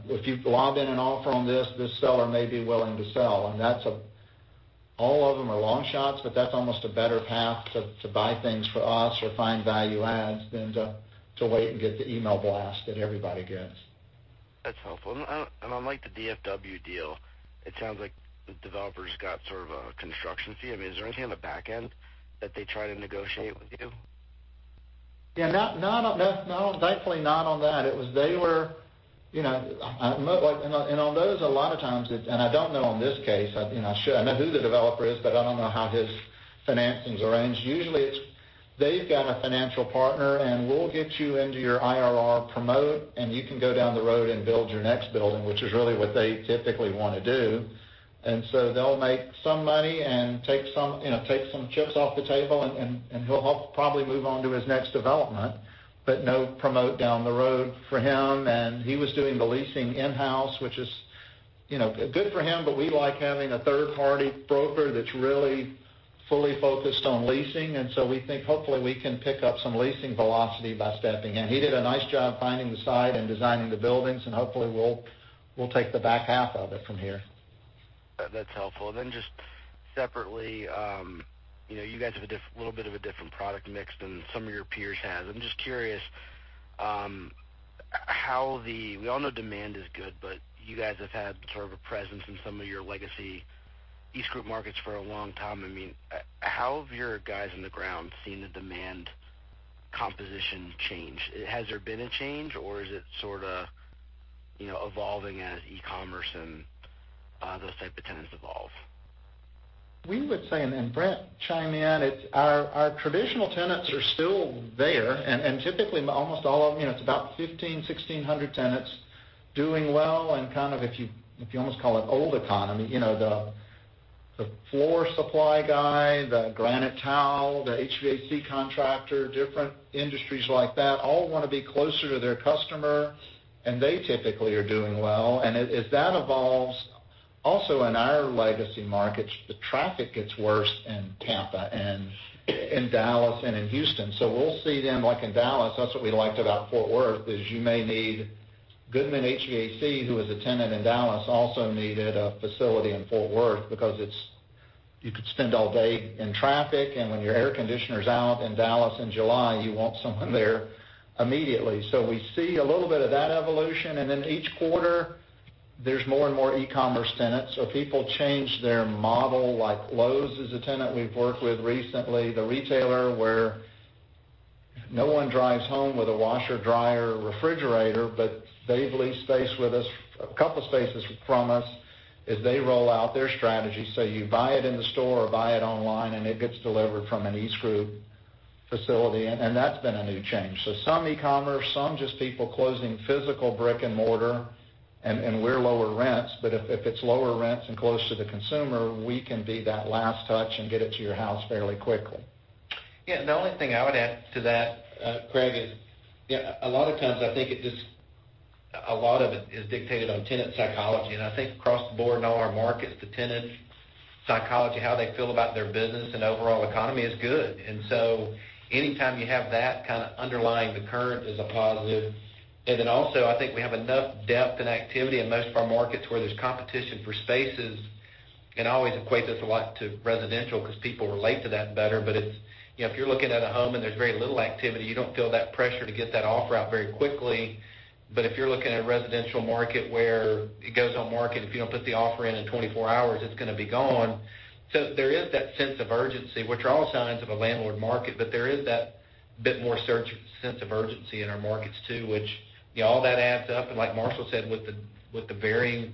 "If you lob in an offer on this seller may be willing to sell." All of them are long shots, but that's almost a better path to buy things for us or find value adds than to wait and get the email blast that everybody gets. That's helpful. Unlike the DFW deal, it sounds like the developer's got sort of a construction fee. Is there anything on the back end that they try to negotiate with you? Thankfully, not on that. On those, a lot of times, and I don't know on this case, I know who the developer is, but I don't know how his financing's arranged. Usually, they've got a financial partner, and we'll get you into your IRR promote, and you can go down the road and build your next building, which is really what they typically want to do. They'll make some money and take some chips off the table, and he'll probably move on to his next development. No promote down the road for him. He was doing the leasing in-house, which is good for him, but we like having a third-party broker that's really fully focused on leasing. We think hopefully we can pick up some leasing velocity by stepping in. He did a nice job finding the site and designing the buildings, and hopefully, we'll take the back half of it from here. That's helpful. Just separately, you guys have a little bit of a different product mix than some of your peers have. I'm just curious. We all know demand is good, you guys have had sort of a presence in some of your legacy EastGroup markets for a long time. How have your guys on the ground seen the demand composition change? Has there been a change, or is it sort of evolving as e-commerce and those type of tenants evolve? We would say, Brent, chime in. Our traditional tenants are still there, and typically almost all of them, it's about 1,500, 1,600 tenants doing well, and kind of, if you almost call it old economy. The floor supply guy, the granite tile, the HVAC contractor, different industries like that, all want to be closer to their customer, and they typically are doing well. As that evolves, also in our legacy markets, the traffic gets worse in Tampa and in Dallas and in Houston. We'll see then, like in Dallas, that's what we liked about Fort Worth, is you may need Goodman HVAC, who is a tenant in Dallas, also needed a facility in Fort Worth because you could spend all day in traffic, and when your air conditioner's out in Dallas in July, you want someone there immediately. We see a little bit of that evolution. Each quarter, there's more and more e-commerce tenants. People change their model, like Lowe's is a tenant we've worked with recently, the retailer where no one drives home with a washer, dryer, or refrigerator, but they've leased a couple of spaces from us as they roll out their strategy. You buy it in the store or buy it online, and it gets delivered from an EastGroup facility, and that's been a new change. Some e-commerce, some just people closing physical brick and mortar, and we're lower rents, but if it's lower rents and close to the consumer, we can be that last touch and get it to your house fairly quickly. The only thing I would add to that, Craig, is a lot of it is dictated on tenant psychology. I think across the board in all our markets, the tenant psychology, how they feel about their business and overall economy is good. Anytime you have that kind of underlying the current is a positive. Also, I think we have enough depth and activity in most of our markets where there's competition for spaces. I always equate this a lot to residential because people relate to that better. If you're looking at a home and there's very little activity, you don't feel that pressure to get that offer out very quickly. If you're looking at a residential market where it goes on market, if you don't put the offer in in 24 hours, it's going to be gone. There is that sense of urgency, which are all signs of a landlord market, but there is that bit more sense of urgency in our markets too, which all that adds up. Like Marshall said, with the varying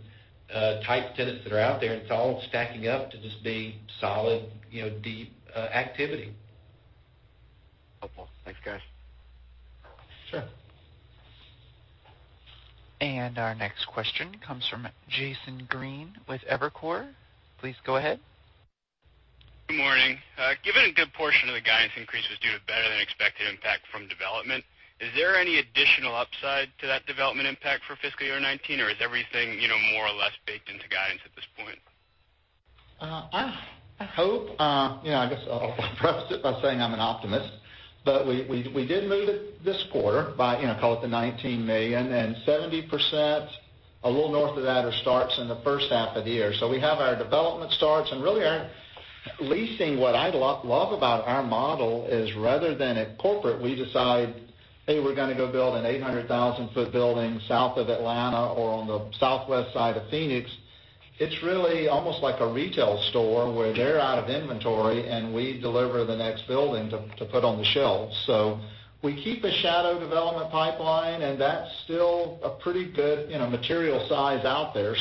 type tenants that are out there, it's all stacking up to just be solid, deep activity. Helpful. Thanks, guys. Sure. Our next question comes from Jason Green with Evercore. Please go ahead. Good morning. Given a good portion of the guidance increase is due to better than expected impact from development, is there any additional upside to that development impact for fiscal year 2019? Is everything, more or less baked into guidance at this point? I hope. I guess I'll preface it by saying I'm an optimist, but we did move it this quarter by, call it the $19 million, and 70%, a little north of that are starts in the first half of the year. We have our development starts and really our leasing. What I love about our model is rather than at corporate, we decide, hey, we're going to go build an 800,000-foot building south of Atlanta or on the southwest side of Phoenix. It's really almost like a retail store where they're out of inventory, and we deliver the next building to put on the shelf. We keep a shadow development pipeline, and that's still a pretty good material size out there.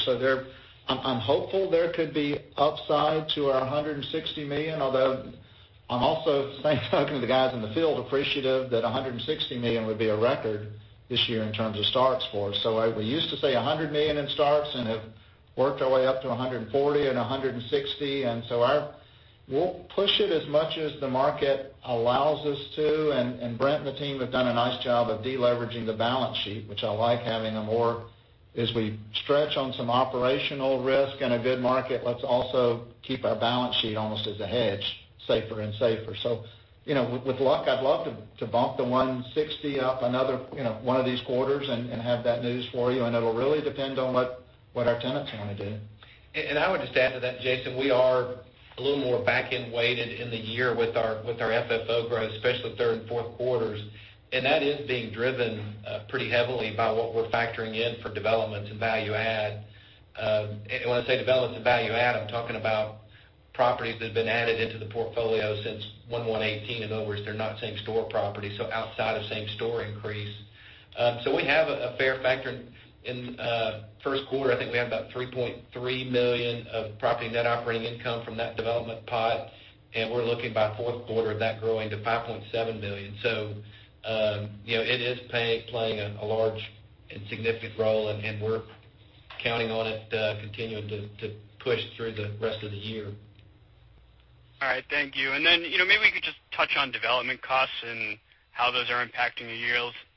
I'm hopeful there could be upside to our $160 million, although I'm also, talking to the guys in the field, appreciative that $160 million would be a record this year in terms of starts for us. We used to say $100 million in starts and have worked our way up to $140 million and $160 million. We'll push it as much as the market allows us to, and Brent and the team have done a nice job of de-leveraging the balance sheet, which I like having a more, as we stretch on some operational risk in a good market, let's also keep our balance sheet almost as a hedge, safer and safer. With luck, I'd love to bump the $160 million up another one of these quarters and have that news for you, and it'll really depend on what our tenants want to do. I would just add to that, Jason, we are a little more back-end weighted in the year with our FFO growth, especially third and fourth quarters. That is being driven pretty heavily by what we're factoring in for developments and value add. When I say developments and value add, I'm talking about properties that have been added into the portfolio since 1/1/18 and onwards. They're not same-store properties, outside of same-store increase. We have a fair factor in first quarter. I think we have about $3.3 million of property net operating income from that development pot, and we're looking by fourth quarter of that growing to $5.7 million. It is playing a large and significant role, and we're counting on it continuing to push through the rest of the year. All right, thank you. Maybe we could just touch on development costs and how those are impacting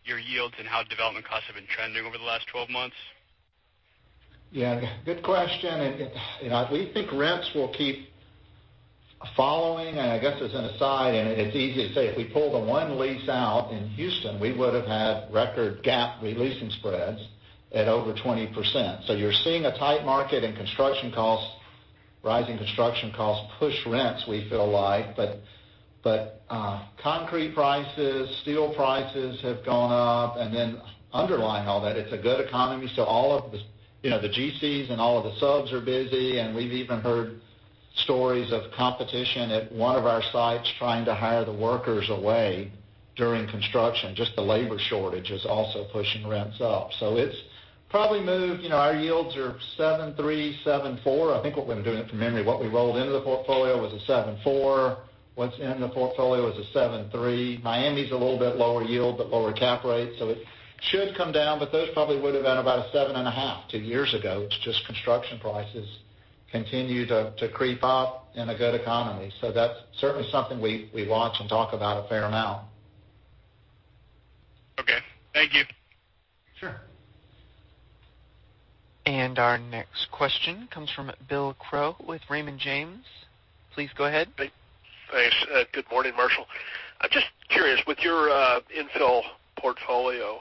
your yields, and how development costs have been trending over the last 12 months. Good question, we think rents will keep following. I guess as an aside, it's easy to say, if we pull the one lease out in Houston, we would've had record GAAP re-leasing spreads at over 20%. You're seeing a tight market and construction costs, rising construction costs push rents, we feel like. Concrete prices, steel prices have gone up, and then underlying all that, it's a good economy, all of the GCs and all of the subs are busy, and we've even heard stories of competition at one of our sites trying to hire the workers away during construction. Just the labor shortage is also pushing rents up. It's probably moved. Our yields are 7.3%, 7.4%. I think what we're doing, from memory, what we rolled into the portfolio was a 7.4%. What's in the portfolio is a 7.3%. Miami's a little bit lower yield, but lower cap rate, so it should come down, but those probably would've been about a 7.5% two years ago. It's just construction prices continue to creep up in a good economy. That's certainly something we watch and talk about a fair amount. Okay. Thank you. Sure. Our next question comes from Bill Crow with Raymond James. Please go ahead. Thanks. Good morning, Marshall. I'm just curious, with your infill portfolio,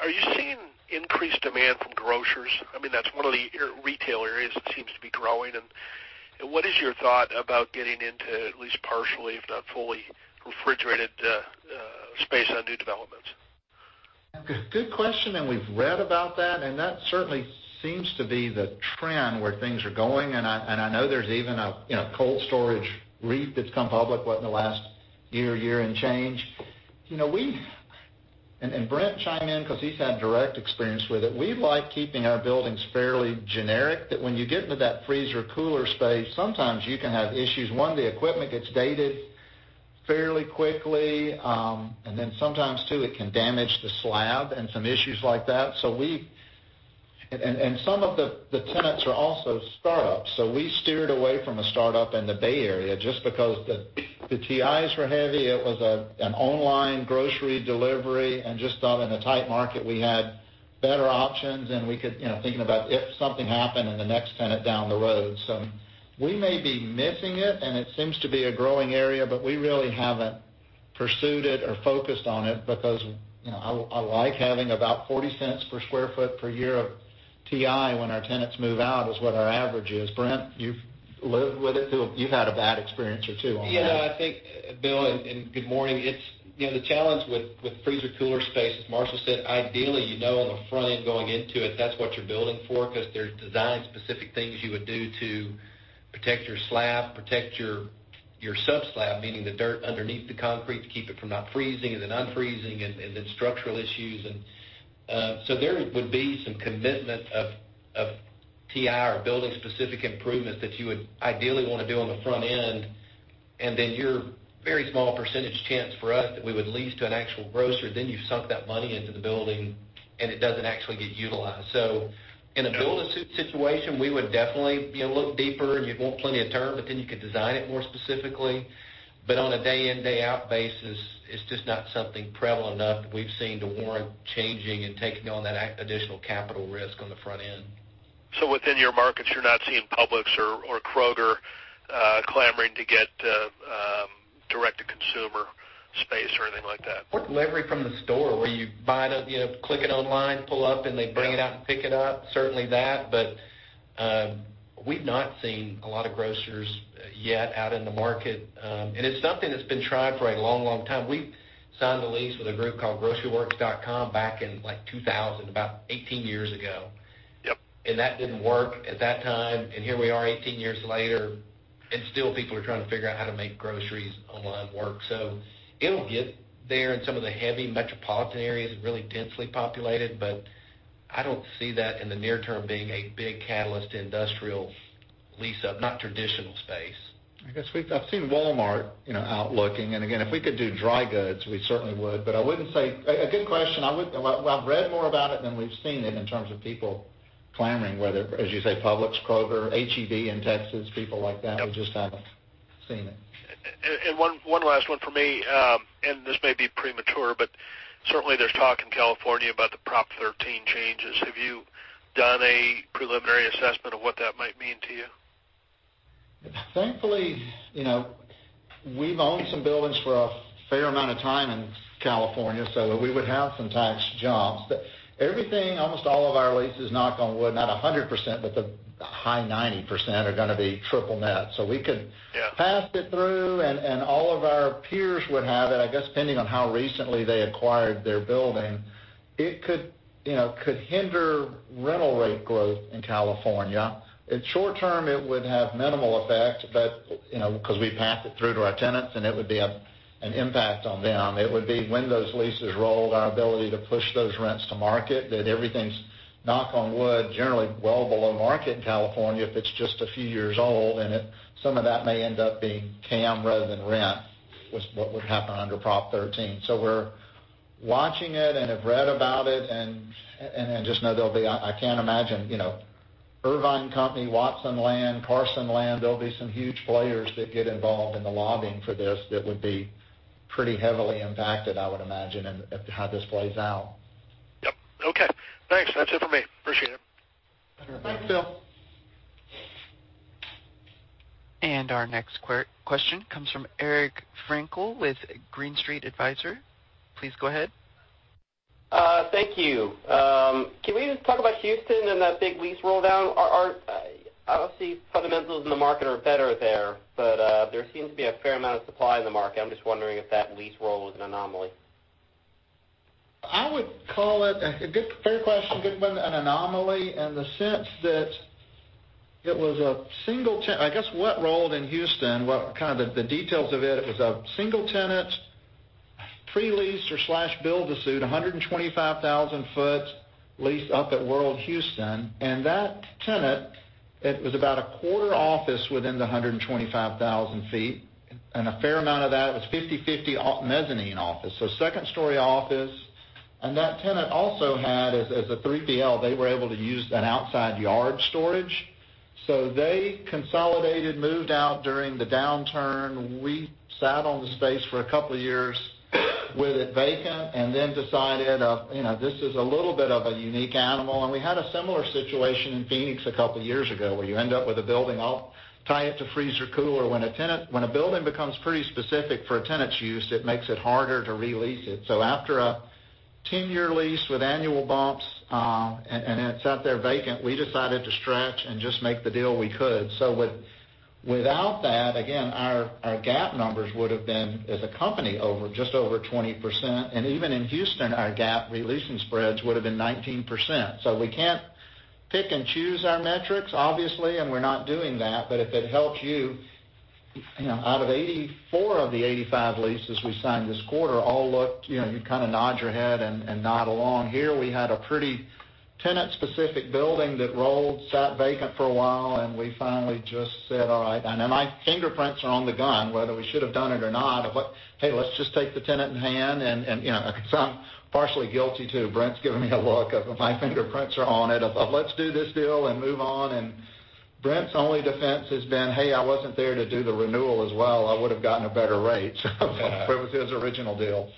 are you seeing increased demand from grocers? That's one of the retail areas that seems to be growing, and what is your thought about getting into at least partially, if not fully, refrigerated space on new developments? Good question. We've read about that. That certainly seems to be the trend where things are going. I know there's even a cold storage REIT that's come public, what, in the last year and change. Brent chime in because he's had direct experience with it. We like keeping our buildings fairly generic, that when you get into that freezer cooler space, sometimes you can have issues. One, the equipment gets dated fairly quickly. Then sometimes too, it can damage the slab and some issues like that. Some of the tenants are also startups. We steered away from a startup in the Bay Area just because the TIs were heavy. It was an online grocery delivery, and just thought in a tight market we had better options, and thinking about if something happened and the next tenant down the road. We may be missing it, and it seems to be a growing area, but we really haven't pursued it or focused on it because I like having about $0.40 per square foot per year of TI when our tenants move out, is what our average is. Brent, you've lived with it too. You've had a bad experience or two on that. Yeah. I think, Bill, and good morning. The challenge with freezer cooler space, as Marshall said, ideally, you know on the front end going into it, that's what you're building for because there's design specific things you would do to Protect your slab, protect your subslab, meaning the dirt underneath the concrete to keep it from not freezing and then unfreezing and then structural issues. There would be some commitment of TI or building specific improvements that you would ideally want to do on the front end, and then your very small percentage chance for us that we would lease to an actual grocer, then you've sunk that money into the building, and it doesn't actually get utilized. In a build-to-suit situation, we would definitely be a little deeper, and you'd want plenty of term, you could design it more specifically. On a day in, day out basis, it's just not something prevalent enough that we've seen to warrant changing and taking on that additional capital risk on the front end. Within your markets, you're not seeing Publix or Kroger clamoring to get direct-to-consumer space or anything like that? Delivery from the store where you click it online, pull up, and they bring it out and pick it up. Certainly that, but we've not seen a lot of grocers yet out in the market. It's something that's been tried for a long time. We signed a lease with a group called groceryworks.com back in 2000, about 18 years ago. Yep. That didn't work at that time. Here we are 18 years later, and still people are trying to figure out how to make groceries online work. It'll get there in some of the heavy metropolitan areas, really densely populated, but I don't see that in the near term being a big catalyst to industrial lease up, not traditional space. I guess I've seen Walmart out looking, and again, if we could do dry goods, we certainly would. A good question. I've read more about it than we've seen it in terms of people clamoring, whether, as you say, Publix, Kroger, H-E-B in Texas, people like that, we just haven't seen it. One last one for me, and this may be premature, but certainly, there's talk in California about the Proposition 13 changes. Have you done a preliminary assessment of what that might mean to you? Thankfully, we've owned some buildings for a fair amount of time in California, so we would have some tax jumps. Everything, almost all of our leases, knock on wood, not 100%, but the high 90% are going to be triple net. Yeah pass it through, and all of our peers would have it, I guess, depending on how recently they acquired their building. It could hinder rental rate growth in California. In short term, it would have minimal effect, because we pass it through to our tenants, and it would be an impact on them. It would be when those leases roll, our ability to push those rents to market, that everything's, knock on wood, generally well below market in California, if it's just a few years old, and some of that may end up being CAM rather than rent, was what would happen under Prop 13. We're watching it and have read about it, and just know there'll be I can't imagine, Irvine Company, Watson Land, Carson Land, there'll be some huge players that get involved in the lobbying for this that would be pretty heavily impacted, I would imagine, in how this plays out. Yep. Okay. Thanks. That's it for me. Appreciate it. Bill. Our next question comes from Eric Frankel with Green Street Advisors. Please go ahead. Thank you. Can we just talk about Houston and that big lease roll-down? Obviously, fundamentals in the market are better there, but there seems to be a fair amount of supply in the market. I'm just wondering if that lease roll was an anomaly. Fair question, Goodman. An anomaly in the sense that it was a single tenant. I guess what rolled in Houston, kind of the details of it was a single tenant, pre-leased or build-to-suit, 125,000 foot lease up at World Houston. That tenant, it was about a quarter office within the 125,000 feet, and a fair amount of that was 50/50 mezzanine office. Second story office. That tenant also had, as a 3PL, they were able to use an outside yard storage. They consolidated, moved out during the downturn. We sat on the space for a couple of years with it vacant, then decided, this is a little bit of a unique animal. We had a similar situation in Phoenix a couple of years ago, where you end up with a building, I'll tie it to freezer cooler. When a building becomes pretty specific for a tenant's use, it makes it harder to re-lease it. After a 10-year lease with annual bumps, it sat there vacant, we decided to stretch and just make the deal we could. Without that, again, our GAAP numbers would've been, as a company, just over 20%. Even in Houston, our GAAP re-leasing spreads would've been 19%. We can't pick and choose our metrics, obviously, and we're not doing that. If it helps you, out of 84 of the 85 leases we signed this quarter, all looked, you kind of nod your head and nod along. Here, we had a pretty tenant-specific building that rolled, sat vacant for a while, we finally just said, "All right." My fingerprints are on the gun, whether we should have done it or not. Let's just take the tenant in hand. I'm partially guilty, too. Brent's giving me a look. My fingerprints are on it of, "Let's do this deal and move on." Brent's only defense has been, "Hey, I wasn't there to do the renewal as well. I would've gotten a better rate." It was his original deal.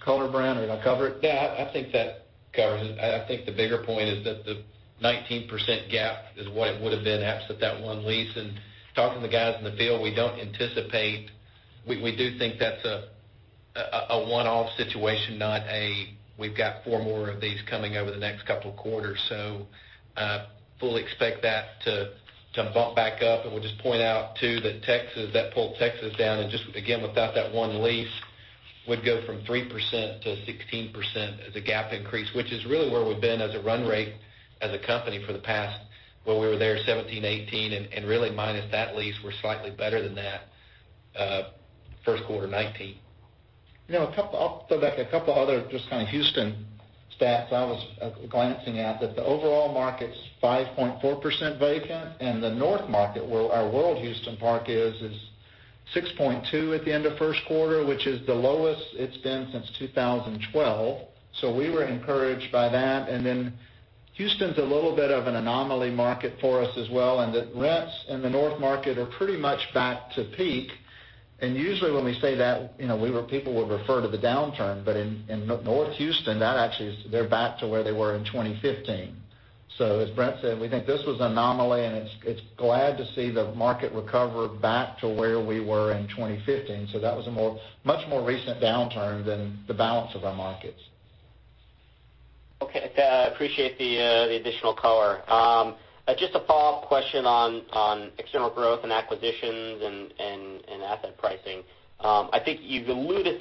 Calder, Brent, did I cover it? Yeah, I think that covers it. I think the bigger point is that the 19% gap is what it would've been absent that one lease. Talking to the guys in the field, we do think that's a one-off situation, not a, we've got four more of these coming over the next couple of quarters. Fully expect that to bump back up. We'll just point out, too, that pulled Texas down, and just again, without that one lease Would go from 3% to 16% as a GAAP increase, which is really where we've been as a run rate as a company for the past, well, we were there 2017, 2018. Really minus that lease, we're slightly better than that first quarter 2019. I'll throw back a couple other just kind of Houston stats I was glancing at, that the overall market's 5.4% vacant. The north market, where our World Houston Park is 6.2 at the end of first quarter, which is the lowest it's been since 2012. We were encouraged by that. Then Houston's a little bit of an anomaly market for us as well. The rents in the north market are pretty much back to peak. Usually, when we say that, people would refer to the downturn. In North Houston, they're back to where they were in 2015. As Brent said, we think this was an anomaly. It's glad to see the market recover back to where we were in 2015. That was a much more recent downturn than the balance of our markets. Okay. I appreciate the additional color. Just a follow-up question on external growth and acquisitions and asset pricing. I think you've alluded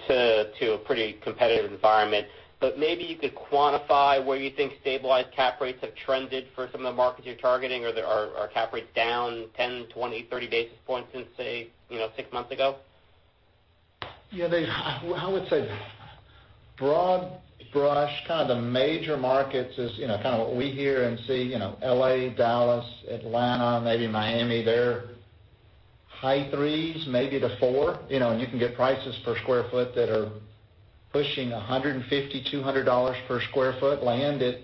to a pretty competitive environment, but maybe you could quantify where you think stabilized cap rates have trended for some of the markets you're targeting. Are cap rates down 10, 20, 30 basis points since, say, six months ago? Yeah. I would say broad brush, kind of the major markets is kind of what we hear and see, L.A., Dallas, Atlanta, maybe Miami. They're high threes maybe to four. You can get prices per square foot that are pushing $150, $200 per square foot. Land at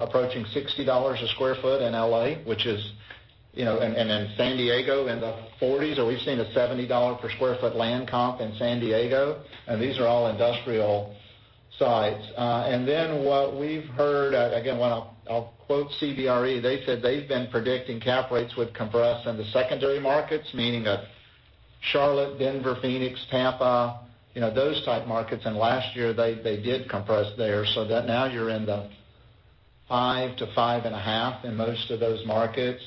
approaching $60 a square foot in L.A., and in San Diego in the $40s, or we've seen a $70 per square foot land comp in San Diego. These are all industrial sites. What we've heard, again, I'll quote CBRE. They said they've been predicting cap rates would compress into secondary markets, meaning a Charlotte, Denver, Phoenix, Tampa, those type markets. Last year, they did compress there. That now you're in the five to five and a half in most of those markets.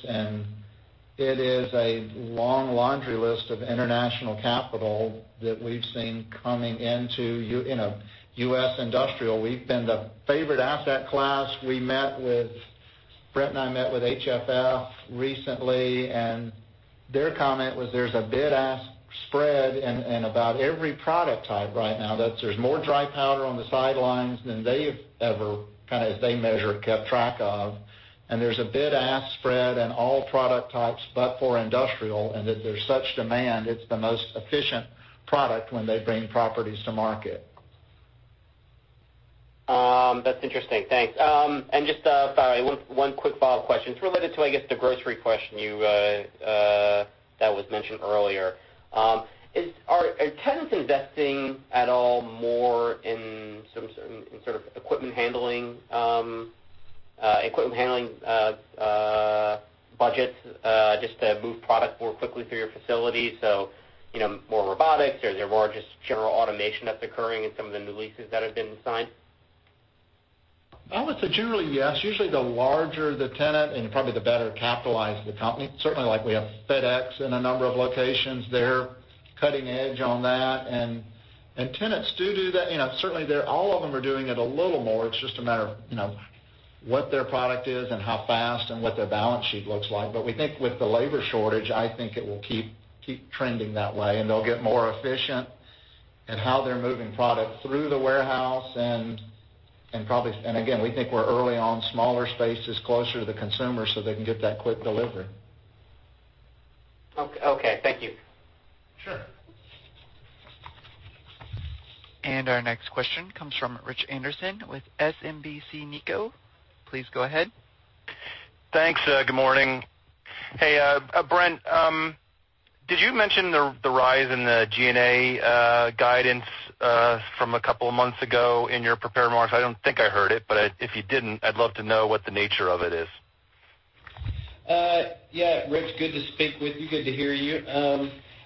It is a long laundry list of international capital that we've seen coming into U.S. industrial. We've been the favorite asset class. Brent and I met with HFF recently, their comment was there's a bid-ask spread in about every product type right now. That there's more dry powder on the sidelines than they've ever, kind of as they measure, kept track of. There's a bid-ask spread in all product types but for industrial. That there's such demand, it's the most efficient product when they bring properties to market. That's interesting. Thanks. Just, sorry, one quick follow-up question. It's related to, I guess, the grocery question that was mentioned earlier. Are tenants investing at all more in sort of equipment handling budgets just to move product more quickly through your facility? More robotics? Is there more just general automation that's occurring in some of the new leases that have been signed? I would say generally, yes. Usually, the larger the tenant and probably the better capitalized the company. Certainly, like we have FedEx in a number of locations. They're cutting edge on that. Tenants do that. Certainly, all of them are doing it a little more. It's just a matter of what their product is and how fast and what their balance sheet looks like. We think with the labor shortage, I think it will keep trending that way, and they'll get more efficient in how they're moving product through the warehouse. Again, we think we're early on smaller spaces closer to the consumer so they can get that quick delivery. Okay. Thank you. Sure. Our next question comes from Rich Anderson with SMBC Nikko. Please go ahead. Thanks. Good morning. Hey, Brent, did you mention the rise in the G&A guidance from a couple of months ago in your prepared remarks? I don't think I heard it, but if you didn't, I'd love to know what the nature of it is. Yeah. Rich, good to speak with you. Good to hear you.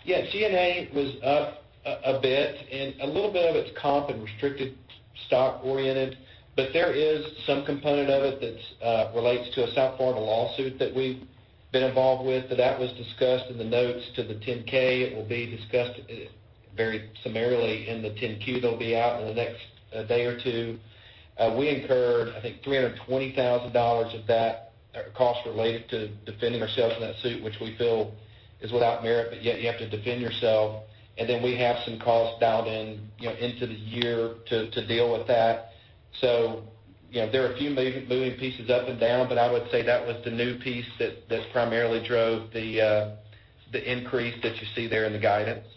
Yeah. G&A was up a bit, and a little bit of it's comp and restricted stock oriented, but there is some component of it that relates to a South Florida lawsuit that we've been involved with. That was discussed in the notes to the 10-K. It will be discussed very summarily in the 10-Q that'll be out in the next day or two. We incurred, I think, $320,000 of that cost related to defending ourselves in that suit, which we feel is without merit, but yet you have to defend yourself. We have some costs dialed in into the year to deal with that. There are a few moving pieces up and down, but I would say that was the new piece that primarily drove the increase that you see there in the guidance.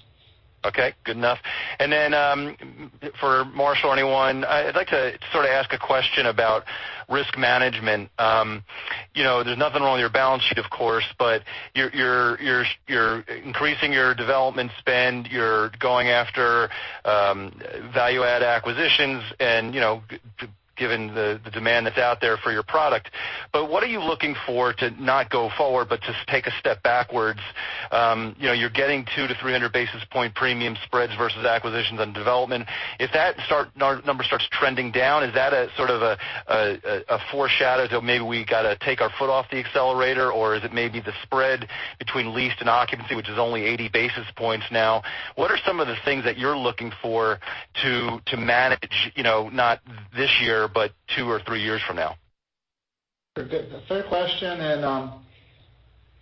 Okay. Good enough. For Marshall or anyone, I'd like to sort of ask a question about risk management. There's nothing wrong with your balance sheet, of course, but you're increasing your development spend. You're going after value-add acquisitions and given the demand that's out there for your product. What are you looking for to not go forward, but just take a step backwards? You're getting 2 to 300 basis point premium spreads versus acquisitions and development. If that number starts trending down, is that a sort of a foreshadow to maybe we got to take our foot off the accelerator, or is it maybe the spread between leased and occupancy, which is only 80 basis points now? What are some of the things that you're looking for to manage, not this year, but two or three years from now? Good. Fair question,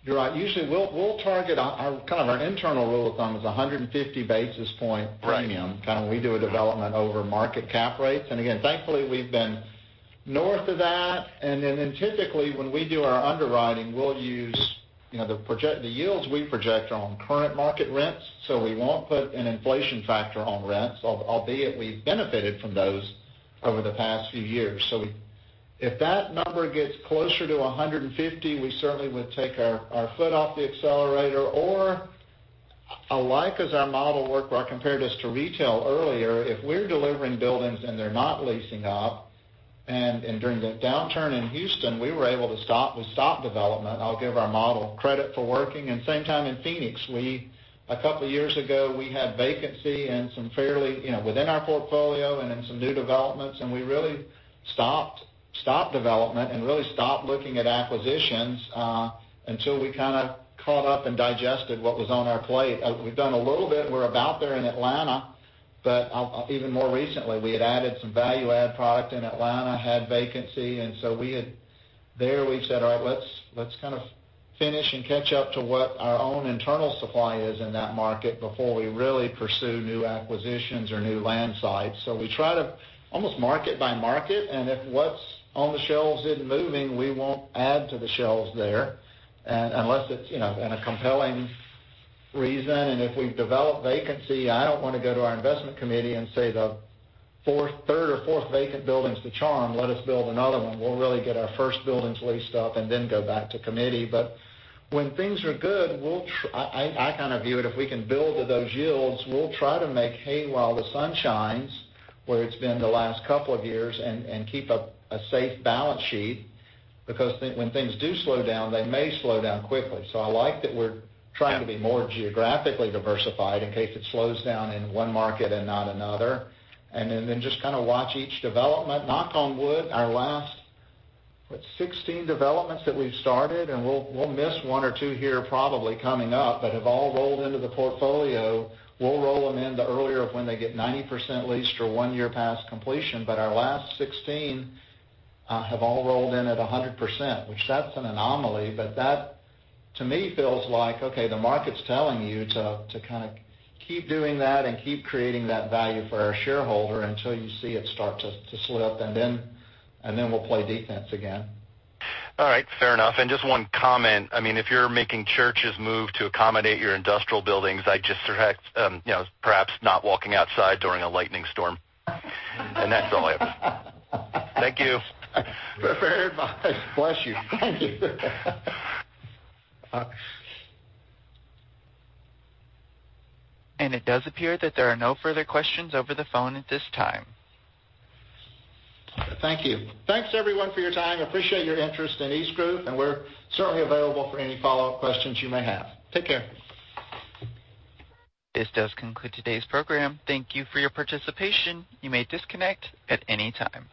you're right. Usually, we'll target Our internal rule of thumb is 150 basis point premium- Right when we do a development over market cap rates. Again, thankfully, we've been north of that. Typically, when we do our underwriting, we'll use the yields we project on current market rents. We won't put an inflation factor on rents, albeit we've benefited from those over the past few years. If that number gets closer to 150, we certainly would take our foot off the accelerator. Or I like as our model worked where I compared us to retail earlier, if we're delivering buildings and they're not leasing up, and during the downturn in Houston, we were able to stop development. I'll give our model credit for working. Same time in Phoenix, a couple of years ago, we had vacancy within our portfolio and in some new developments, we really stopped development and really stopped looking at acquisitions, until we caught up and digested what was on our plate. We've done a little bit, we're about there in Atlanta, even more recently, we had added some value add product in Atlanta, had vacancy, there we've said, "All right, let's finish and catch up to what our own internal supply is in that market before we really pursue new acquisitions or new land sites." We try to almost market by market, if what's on the shelves isn't moving, we won't add to the shelves there, unless it's in a compelling reason. If we've developed vacancy, I don't want to go to our investment committee and say, "The third or fourth vacant building's the charm. Let us build another one." We'll really get our first buildings leased up then go back to committee. When things are good, I view it, if we can build to those yields, we'll try to make hay while the sun shines, where it's been the last couple of years, keep a safe balance sheet, because when things do slow down, they may slow down quickly. I like that we're trying to be more geographically diversified in case it slows down in one market and not another. Just watch each development. Knock on wood, our last, what, 16 developments that we've started, we'll miss one or two here probably coming up, have all rolled into the portfolio. We'll roll them in the earlier of when they get 90% leased or one year past completion. Our last 16 have all rolled in at 100%, which that's an anomaly, that to me feels like, okay, the market's telling you to keep doing that, keep creating that value for our shareholder until you see it start to slip, then we'll play defense again. All right. Fair enough. Just one comment. If you're making churches move to accommodate your industrial buildings, I'd perhaps not walking outside during a lightning storm. That's all I have. Thank you. Very much. Bless you. Thank you. It does appear that there are no further questions over the phone at this time. Thank you. Thanks everyone for your time. Appreciate your interest in EastGroup, and we're certainly available for any follow-up questions you may have. Take care. This does conclude today's program. Thank you for your participation. You may disconnect at any time.